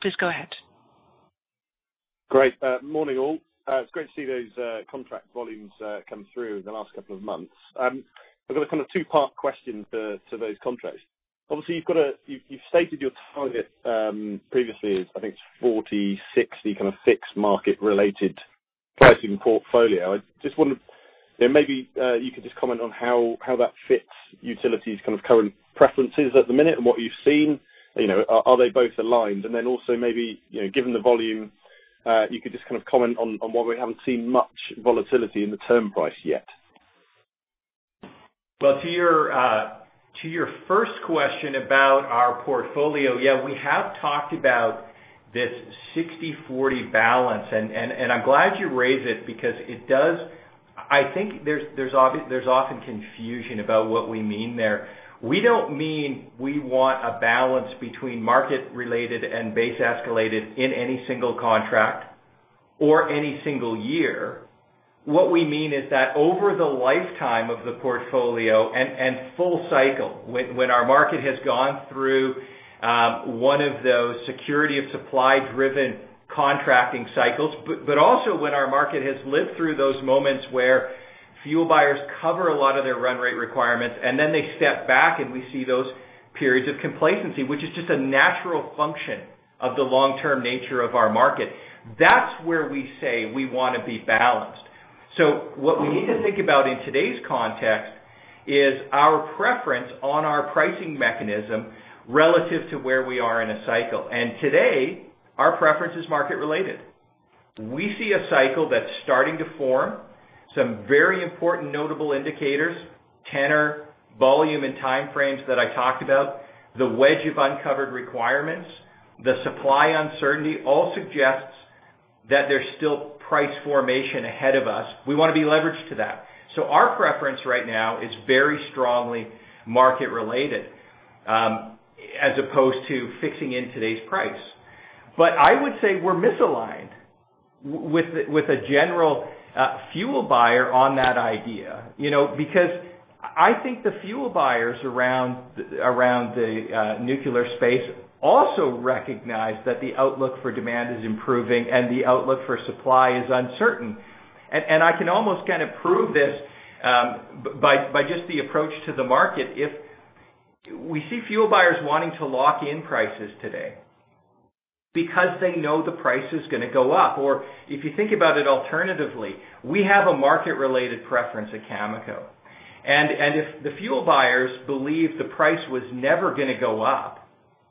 Please go ahead. Great. Morning, all. It's great to see those contract volumes come through in the last couple of months. I've got a kind of two-part question to those contracts. Obviously, you've stated your target previously as I think 40/60 kind of fixed market related pricing portfolio. I just wondered if maybe you could just comment on how that fits utilities kind of current preferences at the minute and what you've seen. You know, are they both aligned? And then also maybe, you know, given the volume, you could just kind of comment on why we haven't seen much volatility in the term price yet. Well, to your first question about our portfolio, yeah, we have talked about this 60/40 balance, and I'm glad you raised it because it does. I think there's often confusion about what we mean there. We don't mean we want a balance between market-related and base escalated in any single contract or any single year. What we mean is that over the lifetime of the portfolio and full cycle, when our market has gone through one of those security and supply-driven contracting cycles, but also when our market has lived through those moments where fuel buyers cover a lot of their run rate requirements, and then they step back, and we see those periods of complacency, which is just a natural function of the long-term nature of our market. That's where we say we wanna be balanced. What we need to think about in today's context is our preference on our pricing mechanism relative to where we are in a cycle. Today, our preference is market related. We see a cycle that's starting to form some very important notable indicators, tenor, volume, and time frames that I talked about, the wedge of uncovered requirements, the supply uncertainty all suggests that there's still price formation ahead of us. We want to be leveraged to that. Our preference right now is very strongly market related, as opposed to fixing in today's price. I would say we're misaligned with a general, fuel buyer on that idea. You know, because I think the fuel buyers around the nuclear space also recognize that the outlook for demand is improving and the outlook for supply is uncertain. I can almost kind of prove this by just the approach to the market. If we see fuel buyers wanting to lock in prices today because they know the price is gonna go up. If you think about it alternatively, we have a market-related preference at Cameco. If the fuel buyers believe the price was never gonna go up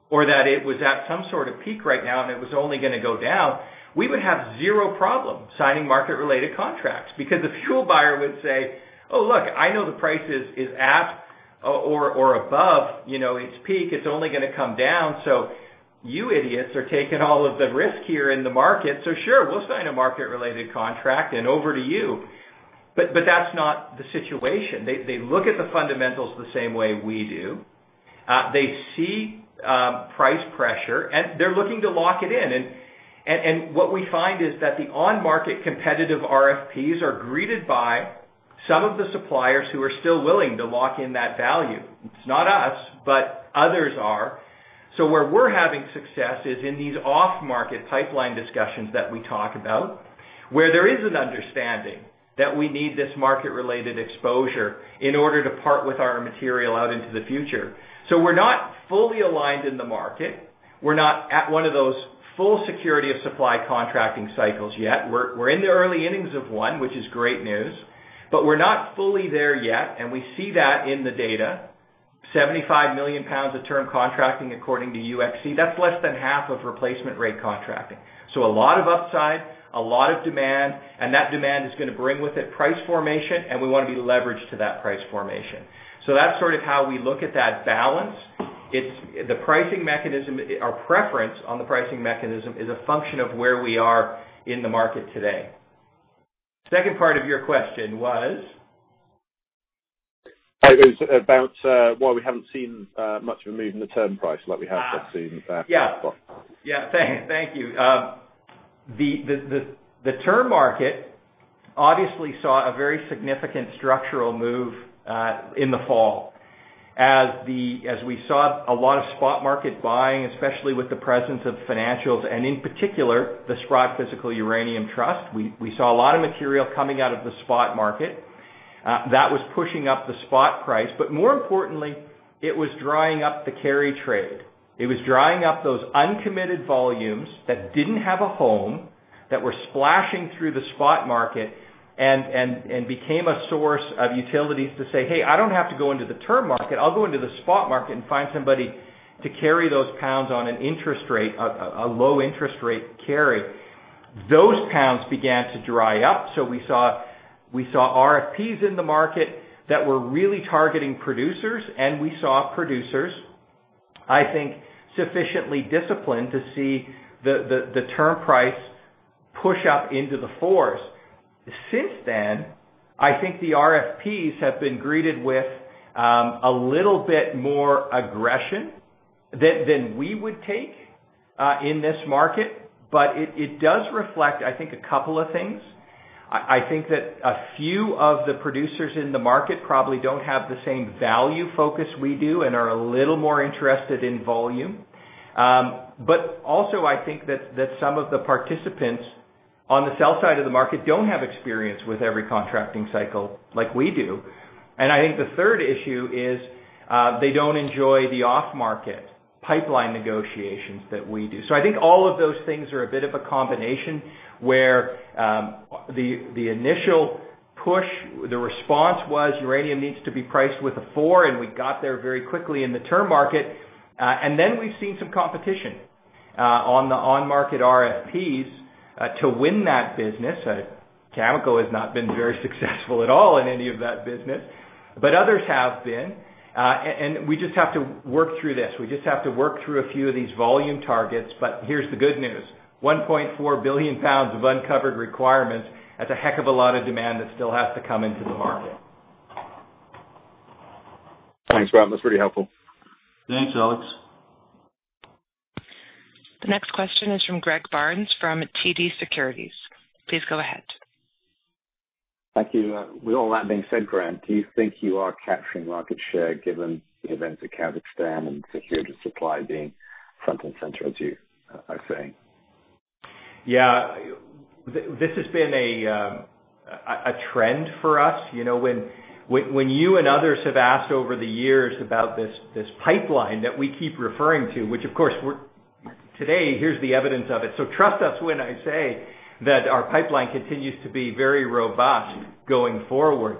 or that it was at some sort of peak right now and it was only gonna go down, we would have zero problem signing market-related contracts because the fuel buyer would say, "Oh, look, I know the price is at or above, you know, its peak. It's only gonna come down. So you idiots are taking all of the risk here in the market. So sure, we'll sign a market-related contract and over to you." That's not the situation. They look at the fundamentals the same way we do. They see price pressure, and they're looking to lock it in. What we find is that the on-market competitive RFPs are greeted by some of the suppliers who are still willing to lock in that value. It's not us, but others are. Where we're having success is in these off-market pipeline discussions that we talk about, where there is an understanding that we need this market-related exposure in order to part with our material out into the future. We're not fully aligned in the market. We're not at one of those full security of supply contracting cycles yet. We're in the early innings of one, which is great news, but we're not fully there yet, and we see that in the data. 75 million pounds of term contracting according to UxC, that's less than half of replacement rate contracting. A lot of upside, a lot of demand, and that demand is gonna bring with it price formation, and we wanna be leveraged to that price formation. That's sort of how we look at that balance. It's the pricing mechanism, our preference on the pricing mechanism is a function of where we are in the market today. Second part of your question was? It was about why we haven't seen much of a move in the term price like we have seen. Yeah. Thank you. The term market obviously saw a very significant structural move in the fall as we saw a lot of spot market buying, especially with the presence of financials and in particular the Sprott Physical Uranium Trust. We saw a lot of material coming out of the spot market that was pushing up the spot price. More importantly, it was drying up the carry trade. It was drying up those uncommitted volumes that didn't have a home, that were splashing through the spot market and became a source of utilities to say, "Hey, I don't have to go into the term market. I'll go into the spot market and find somebody to carry those pounds on an interest rate, a low-interest rate carry." Those pounds began to dry up. We saw RFPs in the market that were really targeting producers, and we saw producers, I think, sufficiently disciplined to see the term price push up into the fours. Since then, I think the RFPs have been greeted with a little bit more aggression than we would take in this market. It does reflect, I think, a couple of things. I think that a few of the producers in the market probably don't have the same value focus we do and are a little more interested in volume. Also I think that some of the participants on the sell side of the market don't have experience with every contracting cycle like we do. I think the third issue is they don't enjoy the off market pipeline negotiations that we do. I think all of those things are a bit of a combination where the initial push, the response was uranium needs to be priced with a four, and we got there very quickly in the term market. We've seen some competition on the market RFPs to win that business. Cameco has not been very successful at all in any of that business, but others have been. We just have to work through this. We just have to work through a few of these volume targets. Here's the good news. 1.4 billion pounds of uncovered requirements, that's a heck of a lot of demand that still has to come into the market. Thanks, Grant. That's pretty helpful. Thanks, Alex. The next question is from Greg Barnes from TD Securities. Please go ahead. Thank you. With all that being said, Grant, do you think you are capturing market share given the events at Kazakhstan and secured supply being front and center, as you are saying? Yeah. This has been a trend for us. You know, when you and others have asked over the years about this pipeline that we keep referring to, which of course today, here's the evidence of it. Trust us when I say that our pipeline continues to be very robust going forward.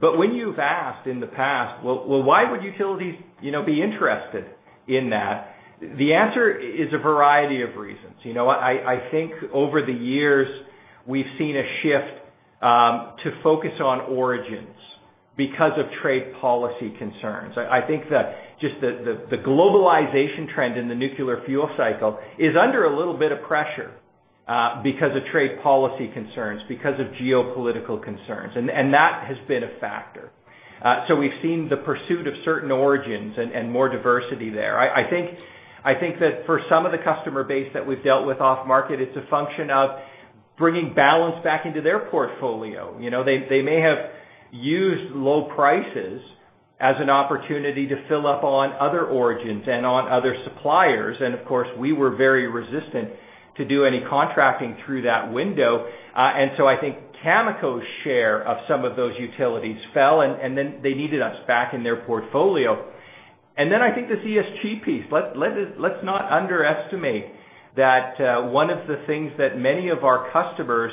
When you've asked in the past, "Well, why would utilities, you know, be interested in that?" The answer is a variety of reasons. You know what? I think over the years, we've seen a shift to focus on origins because of trade policy concerns. I think just the globalization trend in the nuclear fuel cycle is under a little bit of pressure because of trade policy concerns, because of geopolitical concerns. That has been a factor. We've seen the pursuit of certain origins and more diversity there. I think that for some of the customer base that we've dealt with off market, it's a function of bringing balance back into their portfolio. You know, they may have used low prices as an opportunity to fill up on other origins and on other suppliers. Of course, we were very resistant to do any contracting through that window. I think Cameco's share of some of those utilities fell, and then they needed us back in their portfolio. I think the ESG piece. Let's not underestimate that, one of the things that many of our customers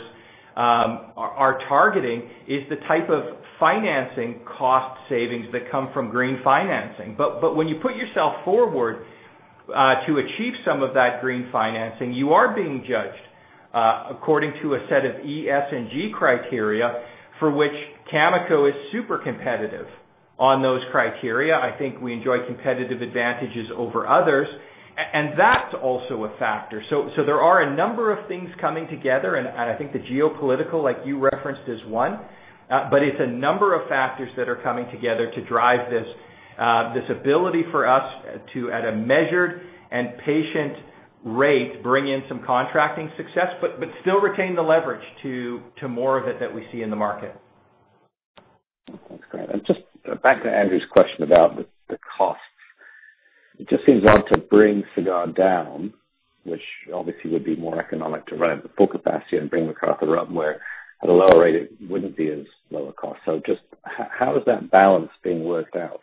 are targeting is the type of financing cost savings that come from green financing. When you put yourself forward to achieve some of that green financing, you are being judged according to a set of E, S, and G criteria for which Cameco is super competitive on those criteria. I think we enjoy competitive advantages over others. And that's also a factor. There are a number of things coming together and I think the geopolitical, like you referenced, is one. It's a number of factors that are coming together to drive this ability for us to, at a measured and patient rate, bring in some contracting success, but still retain the leverage to more of it that we see in the market. Thanks, Grant. Just back to Andrew's question about the costs. It just seems odd to bring Cigar Lake down, which obviously would be more economic to run at the full capacity and bring McArthur up, where at a lower rate it wouldn't be as low a cost. Just how is that balance being worked out?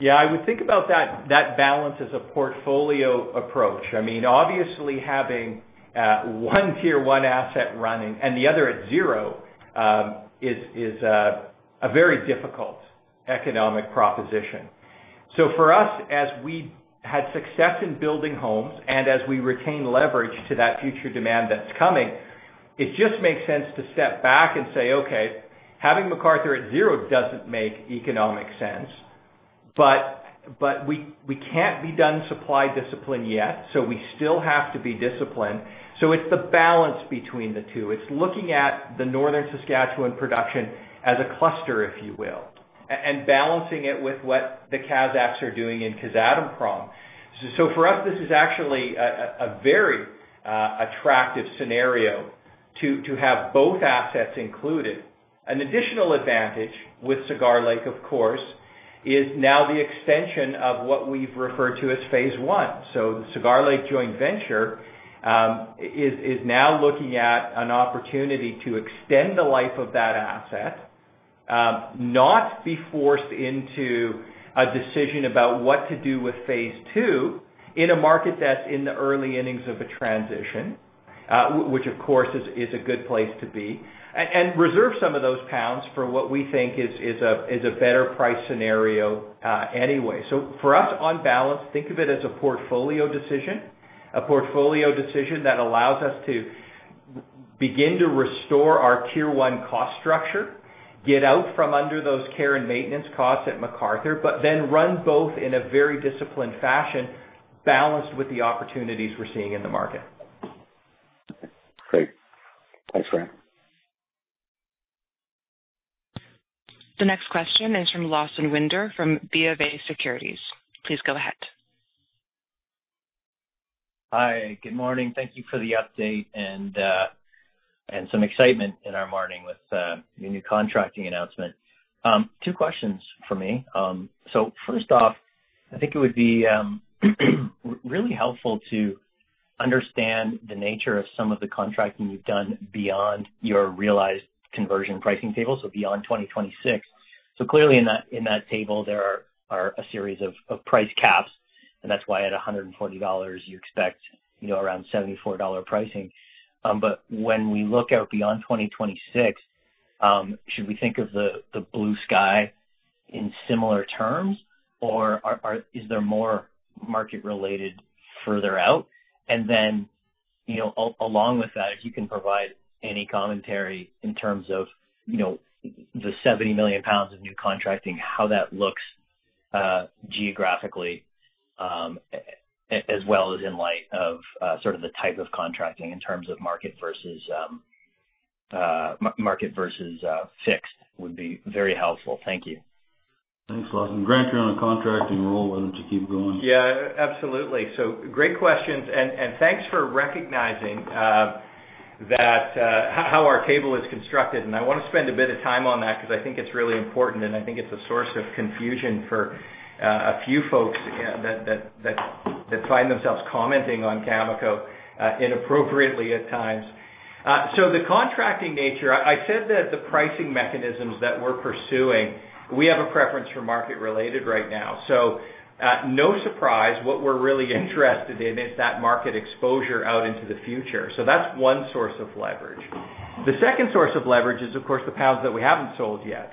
Yeah. I would think about that balance as a portfolio approach. I mean, obviously having one Tier One asset running and the other at zero is a very difficult economic proposition. For us, as we had success in building pounds and as we retain leverage to that future demand that's coming, it just makes sense to step back and say, "Okay, having McArthur at zero doesn't make economic sense." We can't be done with supply discipline yet, so we still have to be disciplined. It's the balance between the two. It's looking at the Northern Saskatchewan production as a cluster, if you will, and balancing it with what the Kazakhs are doing in Kazatomprom. For us, this is actually a very attractive scenario to have both assets included. An additional advantage with Cigar Lake, of course, is now the extension of what we've referred to as phase one. Cigar Lake joint venture is now looking at an opportunity to extend the life of that asset, not be forced into a decision about what to do with phase two in a market that's in the early innings of a transition, which of course is a good place to be, and reserve some of those pounds for what we think is a better price scenario, anyway. For us, on balance, think of it as a portfolio decision that allows us to begin to restore our tier one cost structure, get out from under those care and maintenance costs at McArthur, but then run both in a very disciplined fashion, balanced with the opportunities we're seeing in the market. Great. Thanks, Greg. The next question is from Lawson Winder from BofA Securities. Please go ahead. Hi, good morning. Thank you for the update and some excitement in our morning with your new contracting announcement. Two questions from me. First off, I think it would be really helpful to understand the nature of some of the contracting you've done beyond your realized conversion pricing table, so beyond 2026. Clearly in that table, there are a series of price caps, and that's why at $140 you expect, you know, around $74 pricing. But when we look out beyond 2026, should we think of the blue sky in similar terms or is there more market related further out? You know, along with that, if you can provide any commentary in terms of, you know, the 70 million pounds of new contracting, how that looks geographically, as well as in light of sort of the type of contracting in terms of market versus fixed would be very helpful. Thank you. Thanks, Lawson. Grant, you're on a contracting roll. Why don't you keep going? Yeah, absolutely. Great questions and thanks for recognizing that how our table is constructed. I wanna spend a bit of time on that because I think it's really important, and I think it's a source of confusion for a few folks that find themselves commenting on Cameco inappropriately at times. The contracting nature, I said that the pricing mechanisms that we're pursuing, we have a preference for market related right now. No surprise, what we're really interested in is that market exposure out into the future. That's one source of leverage. The second source of leverage is, of course, the pounds that we haven't sold yet.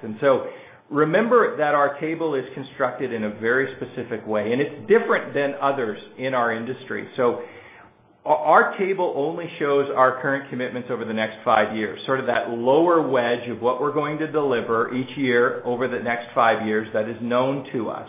Remember that our table is constructed in a very specific way, and it's different than others in our industry. Our table only shows our current commitments over the next five years, sort of that lower wedge of what we're going to deliver each year over the next five years that is known to us.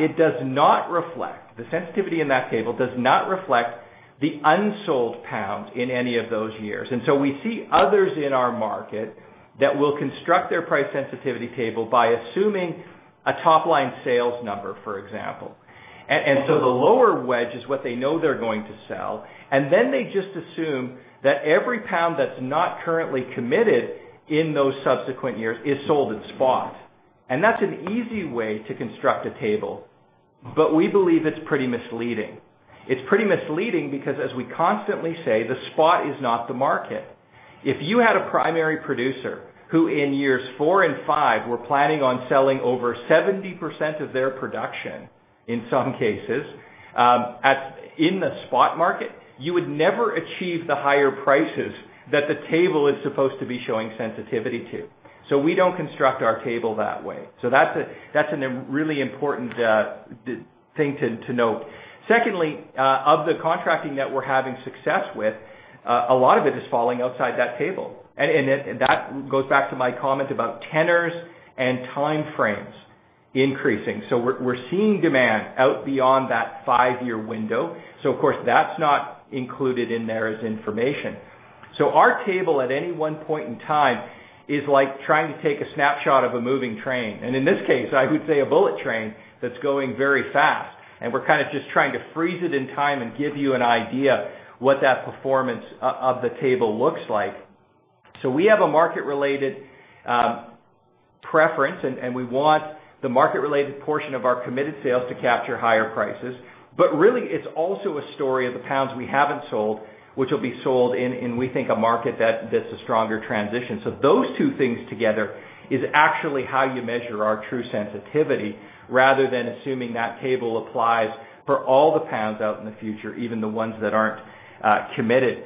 It does not reflect the sensitivity in that table does not reflect the unsold pounds in any of those years. We see others in our market that will construct their price sensitivity table by assuming a top-line sales number, for example. The lower wedge is what they know they're going to sell, and then they just assume that every pound that's not currently committed in those subsequent years is sold in spot. That's an easy way to construct a table, but we believe it's pretty misleading. It's pretty misleading because, as we constantly say, the spot is not the market. If you had a primary producer who in years four and five were planning on selling over 70% of their production, in some cases, in the spot market, you would never achieve the higher prices that the table is supposed to be showing sensitivity to. We don't construct our table that way. That's a really important thing to note. Secondly, of the contracting that we're having success with, a lot of it is falling outside that table. That goes back to my comment about tenors and time frames increasing. We're seeing demand out beyond that five-year window. Of course, that's not included in there as information. Our table at any one point in time is like trying to take a snapshot of a moving train, and in this case, I would say a bullet train that's going very fast, and we're kind of just trying to freeze it in time and give you an idea what that performance of the table looks like. We have a market-related preference and we want the market-related portion of our committed sales to capture higher prices. Really it's also a story of the pounds we haven't sold, which will be sold in we think a market that's a stronger transition. Those two things together is actually how you measure our true sensitivity rather than assuming that table applies for all the pounds out in the future, even the ones that aren't committed.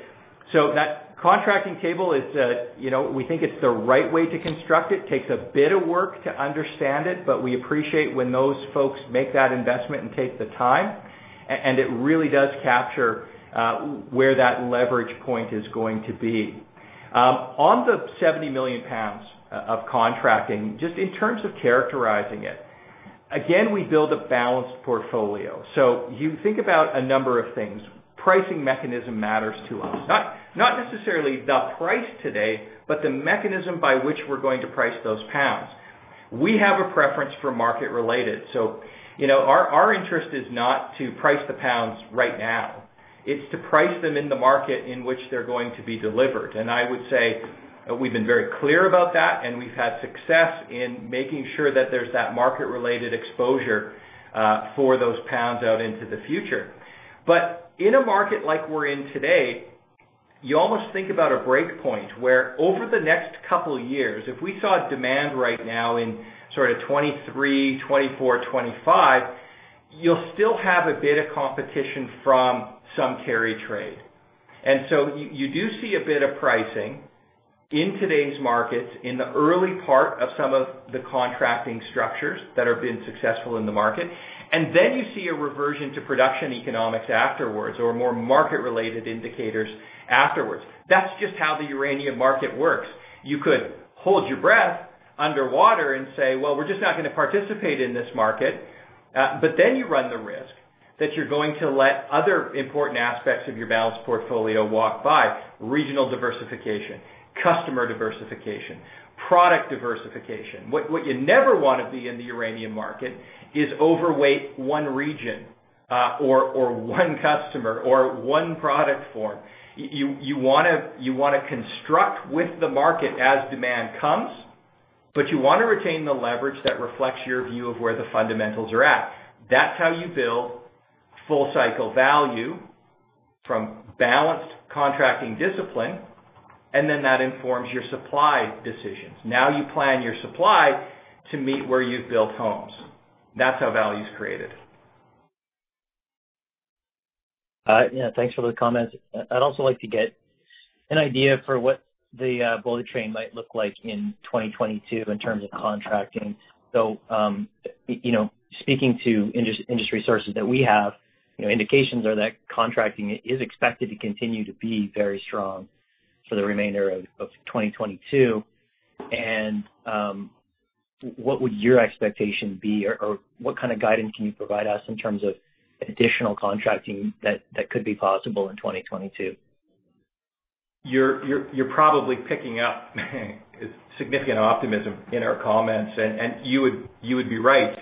That contracting table is, you know, we think it's the right way to construct it. Takes a bit of work to understand it, but we appreciate when those folks make that investment and take the time. And it really does capture where that leverage point is going to be. On the 70 million pounds of contracting, just in terms of characterizing it, again, we build a balanced portfolio. You think about a number of things. Pricing mechanism matters to us. Not necessarily the price today, but the mechanism by which we're going to price those pounds. We have a preference for market related. You know, our interest is not to price the pounds right now. It's to price them in the market in which they're going to be delivered. I would say we've been very clear about that, and we've had success in making sure that there's that market-related exposure for those pounds out into the future. In a market like we're in today, you almost think about a break point where over the next couple years, if we saw demand right now in sort of 2023, 2024, 2025, you'll still have a bit of competition from some carry trade. You do see a bit of pricing in today's markets in the early part of some of the contracting structures that have been successful in the market. Then you see a reversion to production economics afterwards or more market-related indicators afterwards. That's just how the uranium market works. You could hold your breath underwater and say, "Well, we're just not gonna participate in this market." You run the risk that you're going to let other important aspects of your balanced portfolio walk by regional diversification, customer diversification, product diversification. What you never wanna be in the uranium market is overweight one region, or one customer or one product form. You wanna construct with the market as demand comes, but you wanna retain the leverage that reflects your view of where the fundamentals are at. That's how you build full cycle value from balanced contracting discipline, and then that informs your supply decisions. Now you plan your supply to meet where you've built homes. That's how value is created. Yeah, thanks for the comments. I'd also like to get an idea for what the bull trend might look like in 2022 in terms of contracting. You know, speaking to industry sources that we have, you know, indications are that contracting is expected to continue to be very strong for the remainder of 2022. What would your expectation be or what kind of guidance can you provide us in terms of additional contracting that could be possible in 2022? You're probably picking up significant optimism in our comments, and you would be right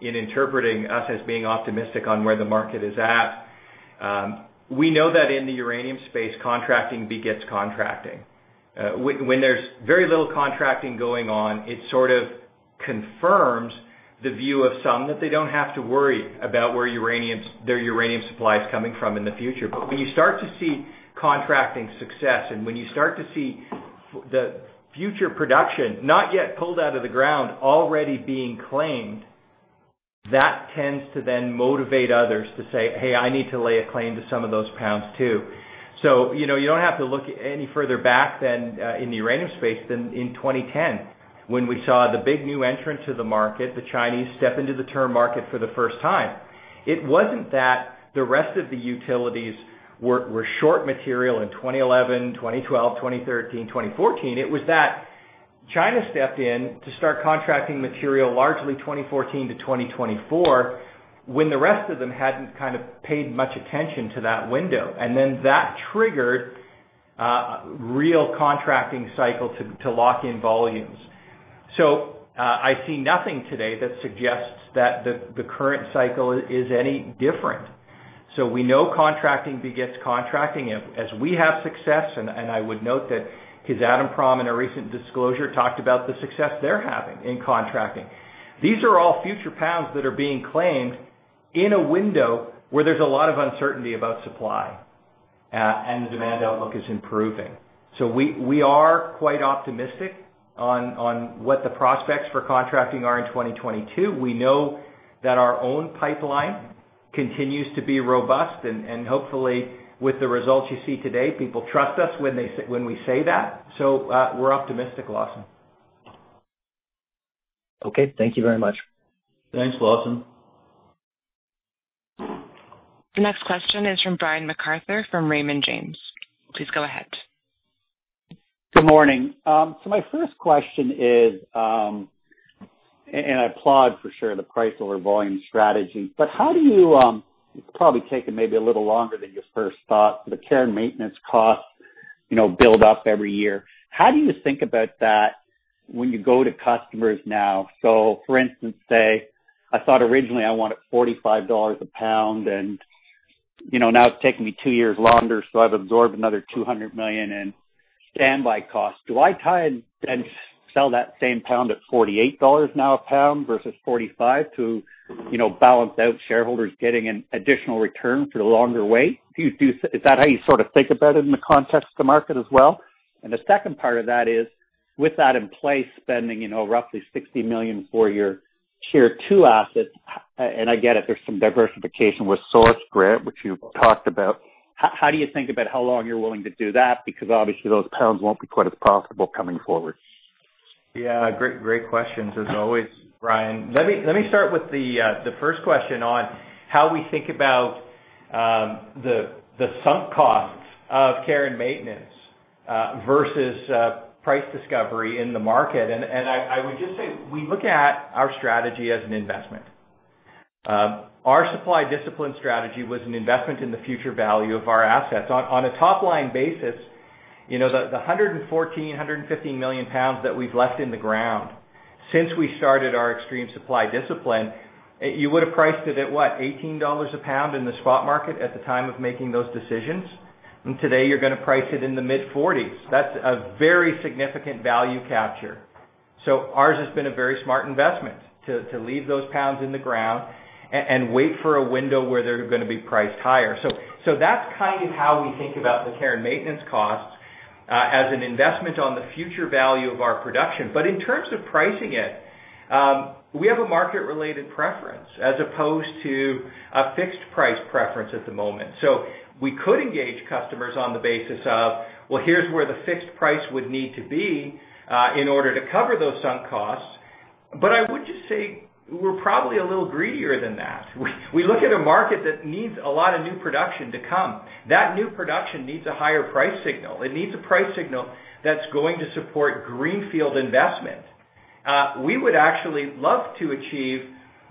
in interpreting us as being optimistic on where the market is at. We know that in the uranium space, contracting begets contracting. When there's very little contracting going on, it sort of confirms the view of some that they don't have to worry about where their uranium supply is coming from in the future. When you start to see contracting success and when you start to see the future production not yet pulled out of the ground already being claimed, that tends to then motivate others to say, "Hey, I need to lay a claim to some of those pounds too." You know, you don't have to look any further back than in the uranium space than in 2010 when we saw the big new entrants to the market, the Chinese step into the term market for the first time. It wasn't that the rest of the utilities were short material in 2011, 2012, 2013, 2014. It was that China stepped in to start contracting material largely 2014 to 2024 when the rest of them hadn't kind of paid much attention to that window. That triggered real contracting cycle to lock in volumes. I see nothing today that suggests that the current cycle is any different. We know contracting begets contracting. As we have success, and I would note that Kazatomprom in a recent disclosure talked about the success they're having in contracting. These are all future pounds that are being claimed in a window where there's a lot of uncertainty about supply, and the demand outlook is improving. We are quite optimistic on what the prospects for contracting are in 2022. We know that our own pipeline continues to be robust, and hopefully with the results you see today, people trust us when we say that. We're optimistic, Lawson. Okay. Thank you very much. Thanks, Lawson. The next question is from Brian MacArthur from Raymond James. Please go ahead. Good morning. My first question is, and I applaud for sure the price over volume strategy, but how do you, it's probably taken maybe a little longer than you first thought, the care and maintenance costs, you know, build up every year. How do you think about that when you go to customers now? For instance, say I thought originally I wanted $45 a pound and, you know, now it's taking me two years longer, so I've absorbed another $200 million in standby costs. Do I tie and sell that same pound at $48 now a pound versus $45 to, you know, balance out shareholders getting an additional return for the longer wait? Is that how you sort of think about it in the context of the market as well? The second part of that is, with that in place, spending, you know, roughly 60 million for your tier two assets, and I get it, there's some diversification with Grant, which you talked about. How do you think about how long you're willing to do that? Because obviously those pounds won't be quite as profitable coming forward. Yeah. Great questions as always, Brian. Let me start with the first question on how we think about the sunk costs of care and maintenance versus price discovery in the market. I would just say we look at our strategy as an investment. Our supply discipline strategy was an investment in the future value of our assets. On a top-line basis, you know, the 150 million pounds that we've left in the ground since we started our extreme supply discipline, you would've priced it at, what, $18 a pound in the spot market at the time of making those decisions. Today you're gonna price it in the mid-forties. That's a very significant value capture. Ours has been a very smart investment to leave those pounds in the ground and wait for a window where they're gonna be priced higher. That's kind of how we think about the care and maintenance costs as an investment on the future value of our production. In terms of pricing it, we have a market-related preference as opposed to a fixed price preference at the moment. We could engage customers on the basis of, well, here's where the fixed price would need to be in order to cover those sunk costs, but I would just say we're probably a little greedier than that. We look at a market that needs a lot of new production to come. That new production needs a higher price signal. It needs a price signal that's going to support greenfield investment. We would actually love to achieve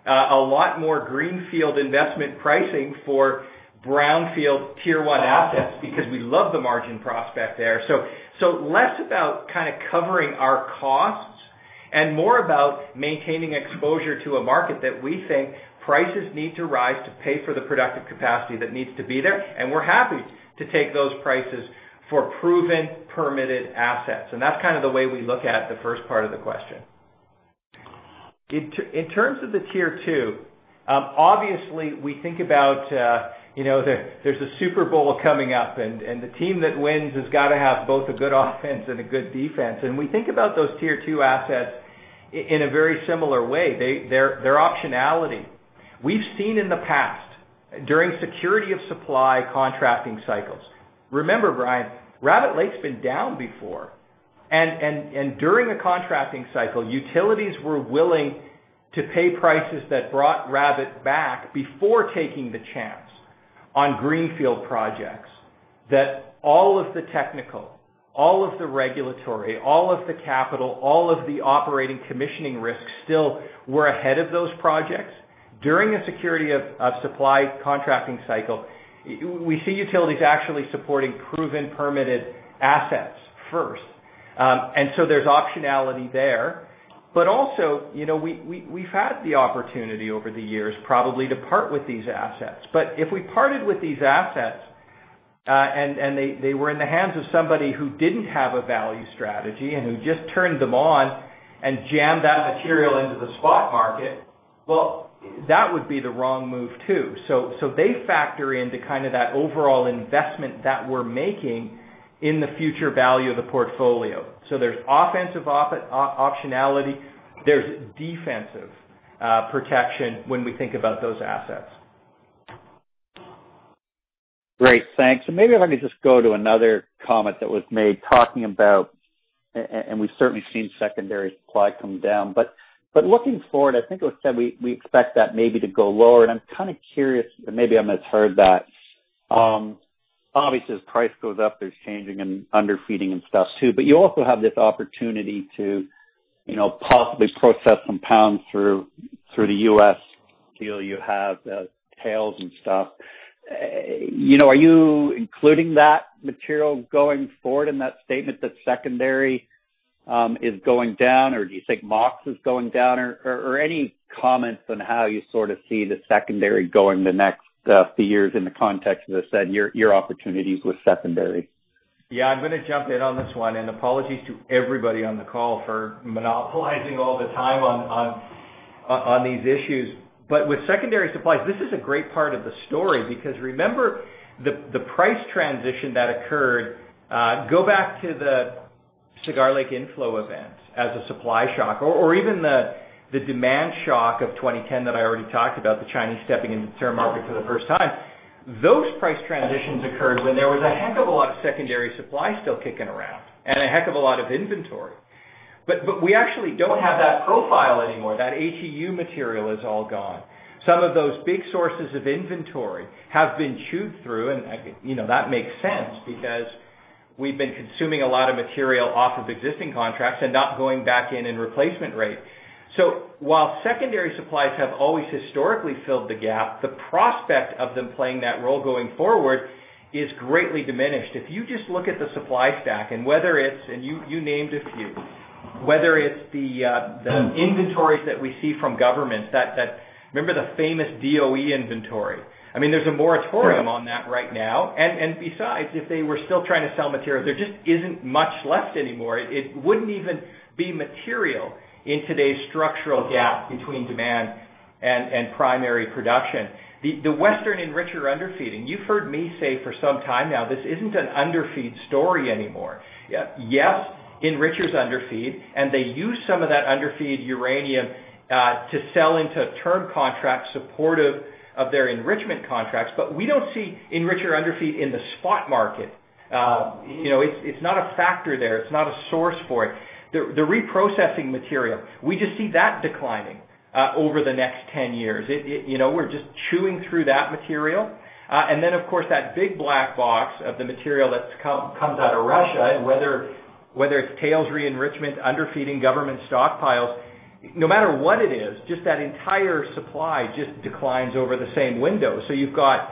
a lot more greenfield investment pricing for brownfield Tier One assets because we love the margin prospect there. Less about kind of covering our costs and more about maintaining exposure to a market that we think prices need to rise to pay for the productive capacity that needs to be there, and we're happy to take those prices for proven, permitted assets. That's kind of the way we look at the first part of the question. In terms of the Tier Two, obviously we think about, you know, there's a Super Bowl coming up and the team that wins has gotta have both a good offense and a good defense. We think about those Tier Two assets in a very similar way. They're optionality. We've seen in the past, during security of supply contracting cycles. Remember, Brian, Rabbit Lake's been down before. During the contracting cycle, utilities were willing to pay prices that brought Rabbit back before taking the chance on greenfield projects that all of the technical, all of the regulatory, all of the capital, all of the operating commissioning risks still were ahead of those projects. During a security of supply contracting cycle, we see utilities actually supporting proven permitted assets first. There's optionality there. Also, you know, we've had the opportunity over the years probably to part with these assets. If we parted with these assets, and they were in the hands of somebody who didn't have a value strategy and who just turned them on and jammed that material into the spot market, well, that would be the wrong move too. They factor into kind of that overall investment that we're making in the future value of the portfolio. There's offensive optionality, there's defensive protection when we think about those assets. Great. Thanks. Maybe let me just go to another comment that was made talking about. We've certainly seen secondary supply come down. But looking forward, I think it was said we expect that maybe to go lower. I'm kinda curious, maybe I've misheard that. Obviously as price goes up, there's changing and underfeeding and stuff too, but you also have this opportunity to, you know, possibly process some pounds through the US deal you have, tails and stuff. You know, are you including that material going forward in that statement that secondary is going down or do you think MOX is going down or any comments on how you sort of see the secondary going the next few years in the context of the said your opportunities with secondary? Yeah. I'm gonna jump in on this one, and apologies to everybody on the call for monopolizing all the time on these issues. But with secondary supplies, this is a great part of the story because remember the price transition that occurred, go back to the Cigar Lake inflow event as a supply shock or even the demand shock of 2010 that I already talked about, the Chinese stepping into the term market for the first time. Those price transitions occurred when there was a heck of a lot of secondary supply still kicking around, and a heck of a lot of inventory. But we actually don't have that profile anymore. That HEU material is all gone. Some of those big sources of inventory have been chewed through and, you know, that makes sense because we've been consuming a lot of material off of existing contracts and not going back in replacement rate. While secondary supplies have always historically filled the gap, the prospect of them playing that role going forward is greatly diminished. If you just look at the supply stack, and you named a few, whether it's the inventories that we see from governments. Remember the famous DOE inventory? I mean, there's a moratorium on that right now. Besides, if they were still trying to sell material, there just isn't much left anymore. It wouldn't even be material in today's structural gap between demand and primary production. The Western enricher underfeeding, you've heard me say for some time now, this isn't an underfeed story anymore. Yes, enrichers underfeed, and they use some of that underfed uranium to sell into term contracts supportive of their enrichment contracts, but we don't see enricher underfeed in the spot market. You know, it's not a factor there. It's not a source for it. The reprocessing material, we just see that declining over the next 10 years. It you know, we're just chewing through that material. Then of course, that big black box of the material that's comes out of Russia and whether it's tails re-enrichment, underfeeding government stockpiles, no matter what it is, just that entire supply just declines over the same window. You've got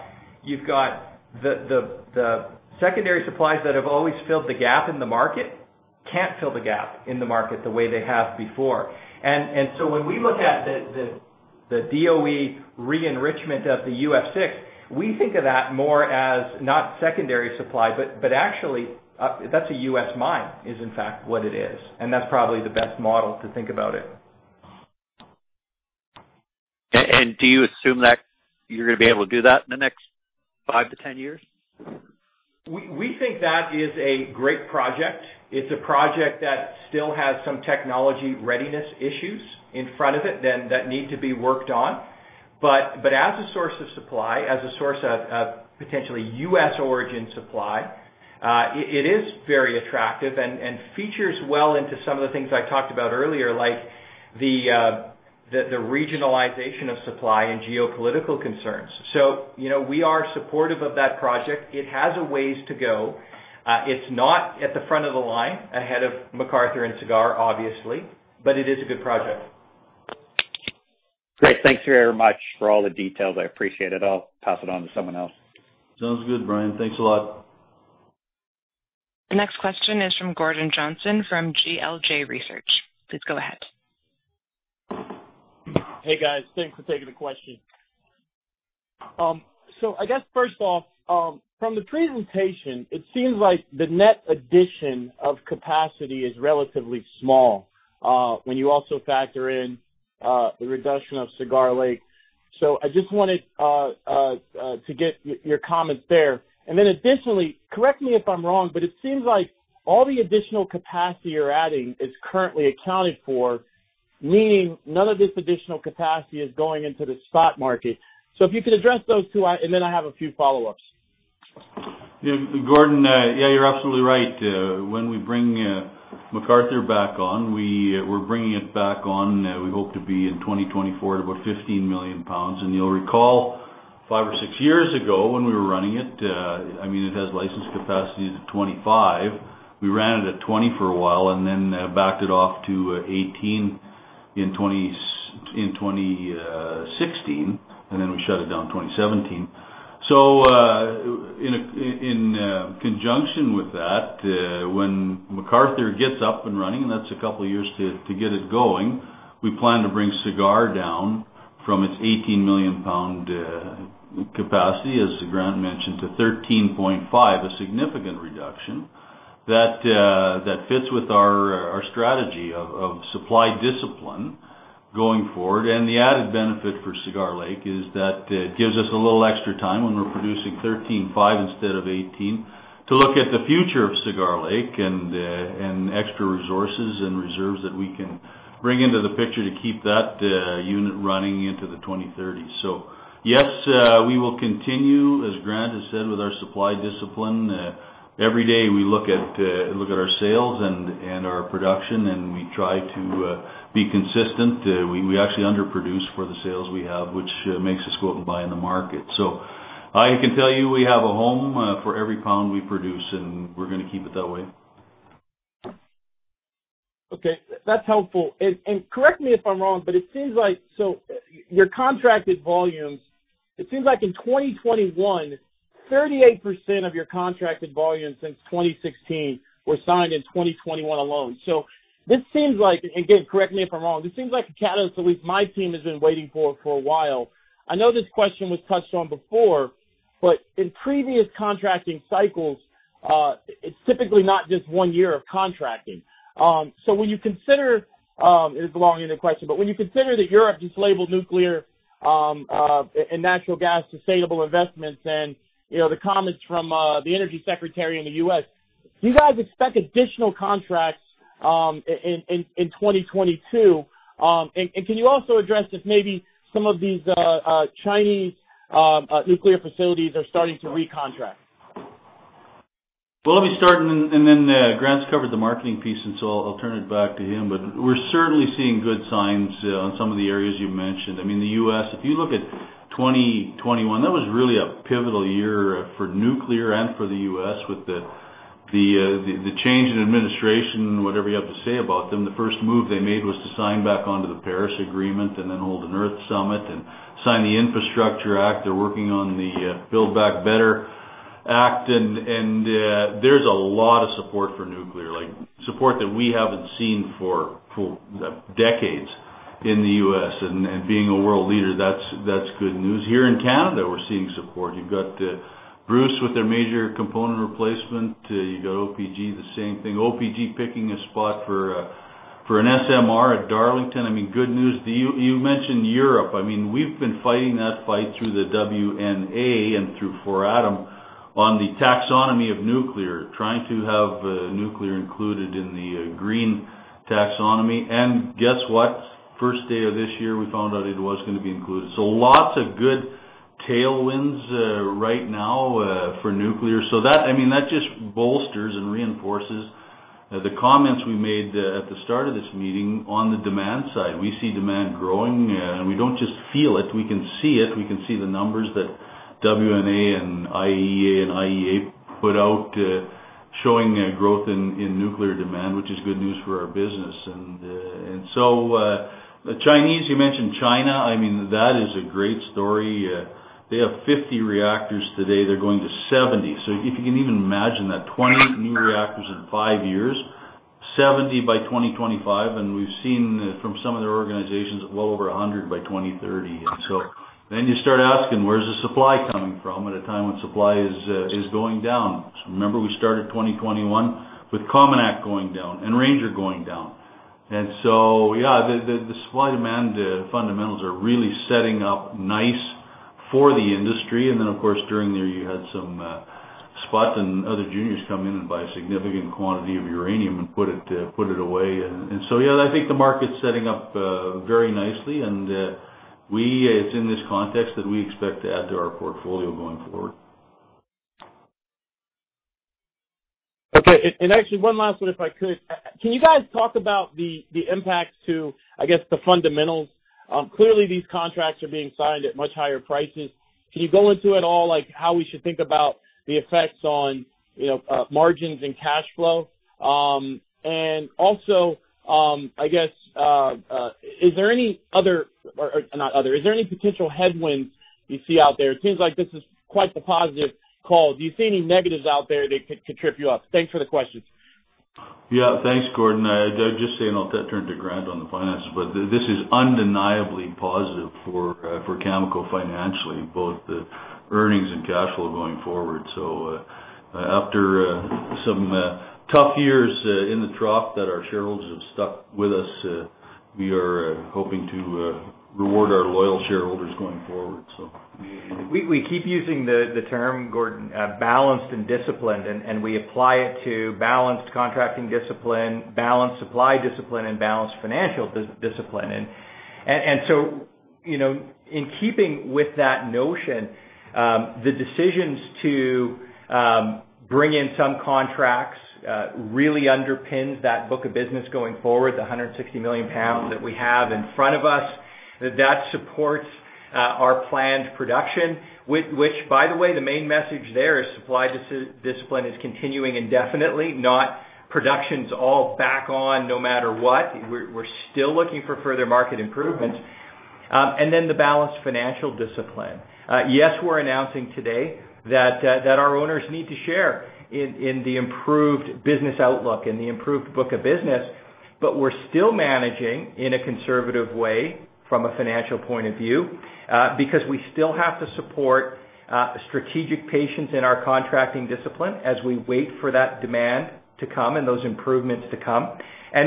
the secondary supplies that have always filled the gap in the market, can't fill the gap in the market the way they have before. When we look at the DOE re-enrichment of the UF6, we think of that more as not secondary supply, but actually, that's a U.S. mine, is in fact what it is, and that's probably the best model to think about it. Do you assume that you're gonna be able to do that in the next five to 10 years? We think that is a great project. It's a project that still has some technology readiness issues in front of it then that need to be worked on. As a source of supply, as a source of potentially U.S. origin supply, it is very attractive and features well into some of the things I talked about earlier, like the regionalization of supply and geopolitical concerns. You know, we are supportive of that project. It has a ways to go. It's not at the front of the line ahead of McArthur and Cigar, obviously, but it is a good project. Great. Thanks very much for all the details. I appreciate it. I'll pass it on to someone else. Sounds good, Brian. Thanks a lot. The next question is from Gordon Johnson from GLJ Research. Please go ahead. Hey, guys. Thanks for taking the question. I guess first off, from the presentation, it seems like the net addition of capacity is relatively small, when you also factor in the reduction of Cigar Lake. I just wanted to get your comments there. Additionally, correct me if I'm wrong, but it seems like all the additional capacity you're adding is currently accounted for, meaning none of this additional capacity is going into the stock market. If you could address those two, I have a few follow-ups. Yeah, Gordon, you're absolutely right. When we bring McArthur back on, we're bringing it back on, we hope to be in 2024 at about 15 million pounds. You'll recall five or six years ago when we were running it, I mean, it has license capacity to 25. We ran it at 20 for a while and then backed it off to 18 in 2016, and then we shut it down in 2017. In conjunction with that, when McArthur gets up and running, and that's a couple of years to get it going, we plan to bring Cigar down from its 18 million pound capacity, as Grant mentioned, to 13.5. A significant reduction that fits with our strategy of supply discipline going forward. The added benefit for Cigar Lake is that it gives us a little extra time when we're producing 13.5 instead of 18 to look at the future of Cigar Lake and extra resources and reserves that we can bring into the picture to keep that unit running into the 2030s. Yes, we will continue, as Grant has said, with our supply discipline. Every day, we look at our sales and our production, and we try to be consistent. We actually underproduce for the sales we have, which makes us go out and buy in the market. I can tell you we have a home for every pound we produce, and we're gonna keep it that way. Okay, that's helpful. Correct me if I'm wrong, but your contracted volumes, it seems like in 2021, 38% of your contracted volumes since 2016 were signed in 2021 alone. This seems like, again, correct me if I'm wrong, a catalyst at least my team has been waiting for a while. I know this question was touched on before, but in previous contracting cycles, it's typically not just one year of contracting. When you consider that Europe just labeled nuclear and natural gas sustainable investments, and, you know, the comments from the Energy Secretary in the U.S., do you guys expect additional contracts in 2022? Can you also address if maybe some of these Chinese nuclear facilities are starting to recontract? Let me start and then Grant's covered the marketing piece, and so I'll turn it back to him. We're certainly seeing good signs on some of the areas you've mentioned. I mean, the U.S., if you look at 2021, that was really a pivotal year for nuclear and for the U.S. with the change in administration, whatever you have to say about them. The first move they made was to sign back onto the Paris Agreement and then hold an Earth Summit and sign the Infrastructure Act. They're working on the Build Back Better Act. There's a lot of support for nuclear, like support that we haven't seen for decades in the U.S. Being a world leader, that's good news. Here in Canada, we're seeing support. You've got Bruce with their major component replacement. You got OPG, the same thing. OPG picking a spot for an SMR at Darlington. I mean, good news. You mentioned Europe. I mean, we've been fighting that fight through the WNA and through FORATOM on the taxonomy of nuclear, trying to have nuclear included in the green taxonomy. Guess what? First day of this year, we found out it was gonna be included. Lots of good tailwinds right now for nuclear. That just bolsters and reinforces the confidence we started this meeting on the demand side. We see demand growing, and we don't just feel it, we can see it. We can see the numbers that WNA and IEA put out showing growth in nuclear demand, which is good news for our business. You mentioned China, I mean, that is a great story. They have 50 reactors today, they're going to 70. If you can even imagine that, 20 new reactors in five years, 70 by 2025, and we've seen from some of their organizations well over 100 by 2030. You start asking, where's the supply coming from at a time when supply is going down. Remember we started 2021 with Cominak going down and Ranger going down. The supply-demand fundamentals are really setting up nice for the industry. Of course during there you had some spots and other juniors come in and buy a significant quantity of uranium and put it away. Yeah, I think the market's setting up very nicely. It's in this context that we expect to add to our portfolio going forward. Okay. Actually one last one if I could. Can you guys talk about the impacts to, I guess, the fundamentals? Clearly these contracts are being signed at much higher prices. Can you go into at all like how we should think about the effects on, you know, margins and cash flow? Also, I guess, is there any potential headwinds you see out there? It seems like this is quite the positive call. Do you see any negatives out there that could trip you up? Thanks for the questions. Yeah, thanks, Gordon. I'd just say, and I'll turn to Grant on the finances, but this is undeniably positive for Cameco financially, both the earnings and cash flow going forward. After some tough years in the trough that our shareholders have stuck with us, we are hoping to reward our loyal shareholders going forward. We keep using the term Gordon balanced and disciplined, and so you know in keeping with that notion, the decisions to bring in some contracts really underpins that book of business going forward, the 160 million pounds that we have in front of us, that supports our planned production, which by the way, the main message there is supply discipline is continuing indefinitely, not production's all back on no matter what. We're still looking for further market improvements. Then the balanced financial discipline. Yes, we're announcing today that our owners need to share in the improved business outlook and the improved book of business, but we're still managing in a conservative way from a financial point of view, because we still have to support strategic patience in our contracting discipline as we wait for that demand to come and those improvements to come.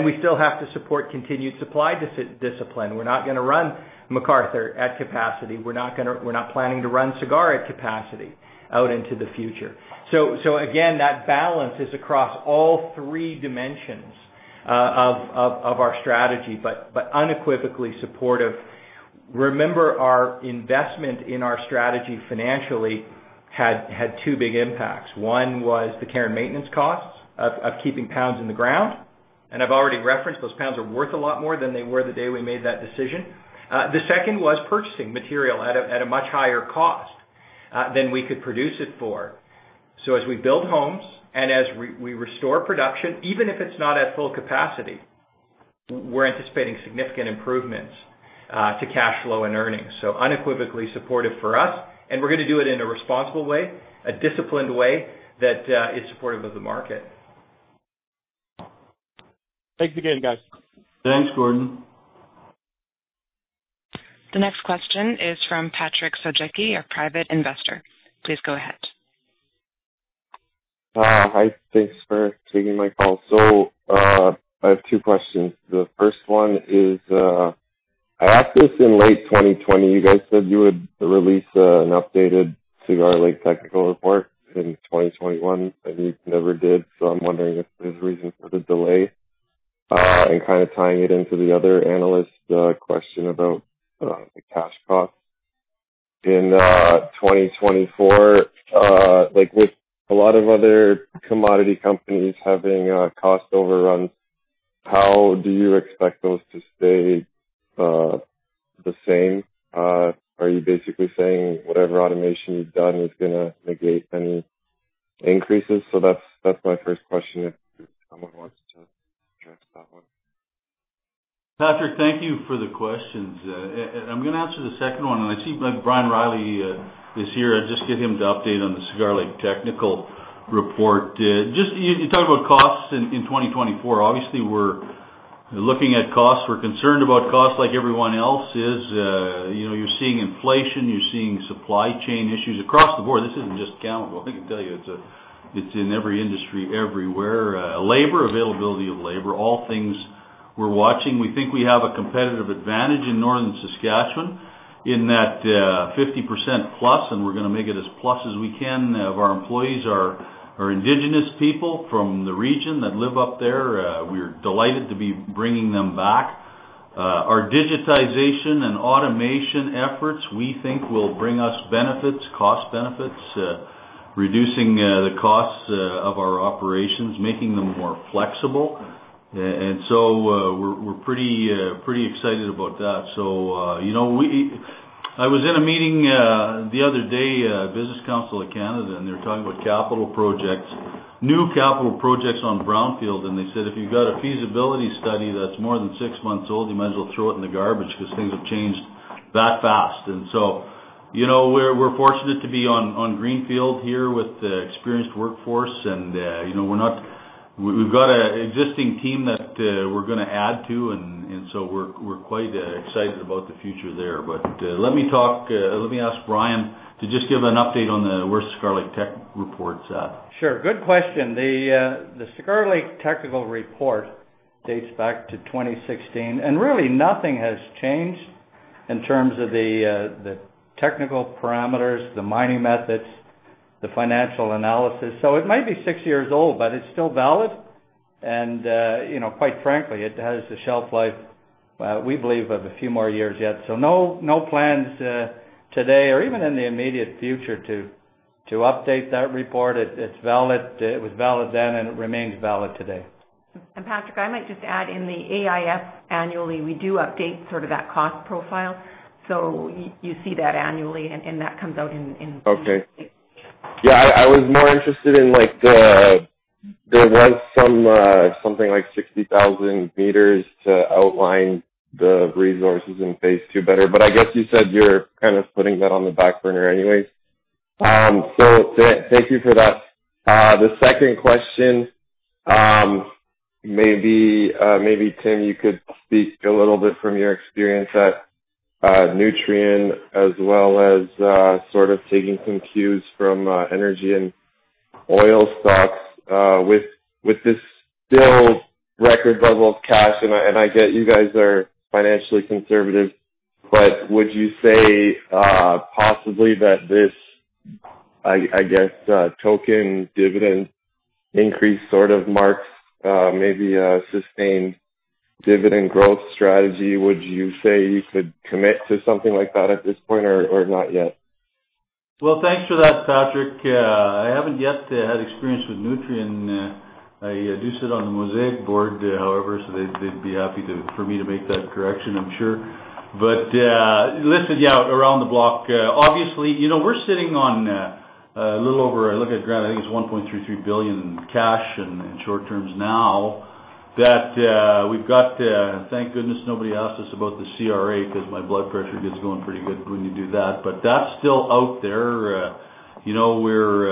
We still have to support continued supply discipline. We're not gonna run McArthur at capacity. We're not planning to run Cigar at capacity out into the future. Again, that balance is across all three dimensions of our strategy, but unequivocally supportive. Remember, our investment in our strategy financially had two big impacts. One was the care and maintenance costs of keeping pounds in the ground. I've already referenced those pounds are worth a lot more than they were the day we made that decision. The second was purchasing material at a much higher cost than we could produce it for. As we build homes and as we restore production, even if it's not at full capacity, we're anticipating significant improvements to cash flow and earnings. Unequivocally supportive for us, and we're gonna do it in a responsible way, a disciplined way that is supportive of the market. Thanks again, guys. Thanks, Gordon. The next question is from Patrick Sojecki, a private investor. Please go ahead. Hi. Thanks for taking my call. I have two questions. The first one is, I asked this in late 2020. You guys said you would release an updated Cigar Lake technical report in 2021, and you never did. I'm wondering if there's a reason for the delay, and kinda tying it into the other analyst question about the cash costs in 2024. Like with a lot of other commodity companies having cost overruns, how do you expect those to stay the same? Are you basically saying whatever automation you've done is gonna negate any increases? That's my first question if someone wants to address that one. Patrick, thank you for the questions. I'm gonna answer the second one. I see Brian Reilly is here. I'll just get him to update on the Cigar Lake technical report. You talk about costs in 2024. Obviously, we're looking at costs. We're concerned about costs like everyone else is. You know, you're seeing inflation, you're seeing supply chain issues across the board. This isn't just Cameco. I can tell you it's in every industry everywhere. Labor, availability of labor, all things we're watching. We think we have a competitive advantage in Northern Saskatchewan in that 50% plus, and we're gonna make it as plus as we can of our employees are indigenous people from the region that live up there. We're delighted to be bringing them back. Our digitization and automation efforts, we think, will bring us benefits, cost benefits, reducing the costs of our operations, making them more flexible. We're pretty excited about that. You know, I was in a meeting the other day, a Business Council of Canada, and they were talking about capital projects, new capital projects on brownfield. They said, "If you've got a feasibility study that's more than six months old, you might as well throw it in the garbage because things have changed that fast." We're fortunate to be on greenfield here with the experienced workforce, and we've got an existing team that we're gonna add to, and we're quite excited about the future there. Let me ask Brian to just give an update on where the Cigar Lake technical report's at. Sure. Good question. The Cigar Lake technical report dates back to 2016, and really nothing has changed in terms of the technical parameters, the mining methods, the financial analysis. It might be six years old, but it's still valid. You know, quite frankly, it has the shelf life we believe of a few more years yet. No plans today or even in the immediate future to update that report. It's valid. It was valid then, and it remains valid today. Patrick, I might just add in the AIF annually, we do update sort of that cost profile. You see that annually, and that comes out in- Okay. Yeah, I was more interested in, like, there was something like 60,000 meters to outline the resources in phase two better. I guess you said you're kind of putting that on the back burner anyway. Thank you for that. The second question, maybe Tim, you could speak a little bit from your experience at Nutrien as well as sort of taking some cues from energy and oil stocks with this still record level of cash. I get you guys are financially conservative, but would you say possibly that this, I guess, token dividend increase sort of marks maybe a sustained dividend growth strategy? Would you say you could commit to something like that at this point or not yet? Well, thanks for that, Patrick. I haven't yet had experience with Nutrien. I do sit on the Mosaic board, however, so they'd be happy for me to make that correction, I'm sure. Listen, yeah, around the block, obviously, you know, we're sitting on a little over. Look at Grant. I think it's 1.33 billion in cash and in short terms now that we've got, thank goodness nobody asked us about the CRA because my blood pressure gets going pretty good when you do that. That's still out there. You know, we're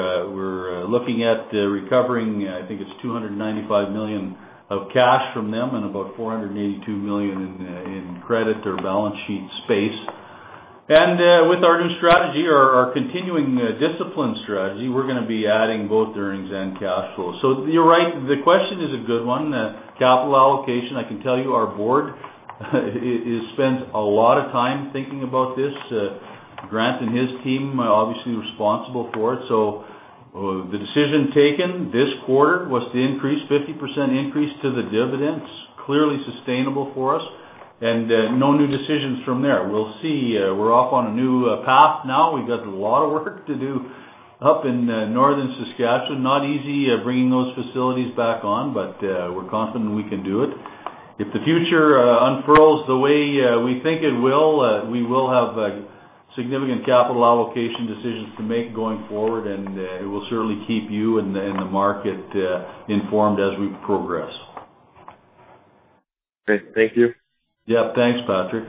looking at recovering, I think it's 295 million of cash from them and about 482 million in credit or balance sheet space. With our new strategy, our continuing disciplined strategy, we're gonna be adding both earnings and cash flow. You're right. The question is a good one. The capital allocation, I can tell you our board has spent a lot of time thinking about this. Grant and his team are obviously responsible for it. The decision taken this quarter was a 50% increase to the dividends, clearly sustainable for us, and no new decisions from there. We'll see. We're off on a new path now. We've got a lot of work to do up in Northern Saskatchewan. Not easy bringing those facilities back on, but we're confident we can do it. If the future unfurls the way we think it will, we will have significant capital allocation decisions to make going forward, and we will certainly keep you and the market informed as we progress. Great. Thank you. Yeah. Thanks, Patrick.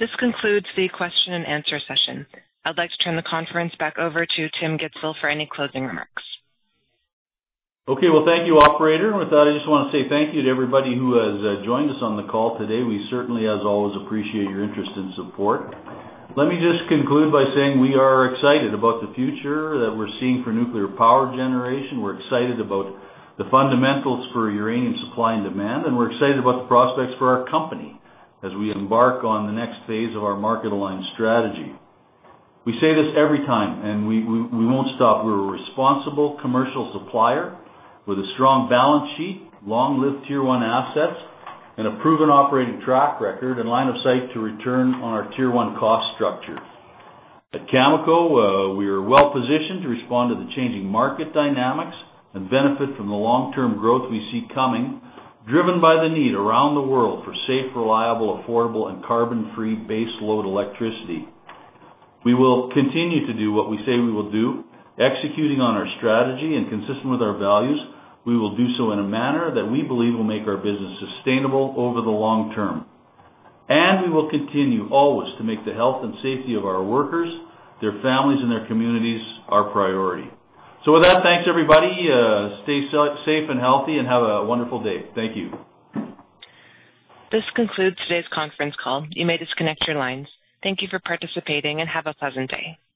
This concludes the question and answer session. I'd like to turn the conference back over to Tim Gitzel for any closing remarks. Okay. Well, thank you, operator. With that, I just want to say thank you to everybody who has joined us on the call today. We certainly, as always, appreciate your interest and support. Let me just conclude by saying we are excited about the future that we're seeing for nuclear power generation. We're excited about the fundamentals for uranium supply and demand, and we're excited about the prospects for our company as we embark on the next phase of our market-aligned strategy. We say this every time, and we won't stop. We're a responsible commercial supplier with a strong balance sheet, long-lived tier-one assets, and a proven operating track record and line of sight to return on our tier one cost structure. At Cameco, we are well-positioned to respond to the changing market dynamics and benefit from the long-term growth we see coming, driven by the need around the world for safe, reliable, affordable, and carbon-free baseload electricity. We will continue to do what we say we will do, executing on our strategy and consistent with our values. We will do so in a manner that we believe will make our business sustainable over the long term. We will continue always to make the health and safety of our workers, their families, and their communities our priority. With that, thanks everybody. Stay safe and healthy and have a wonderful day. Thank you. This concludes today's conference call. You may disconnect your lines. Thank you for participating and have a pleasant day.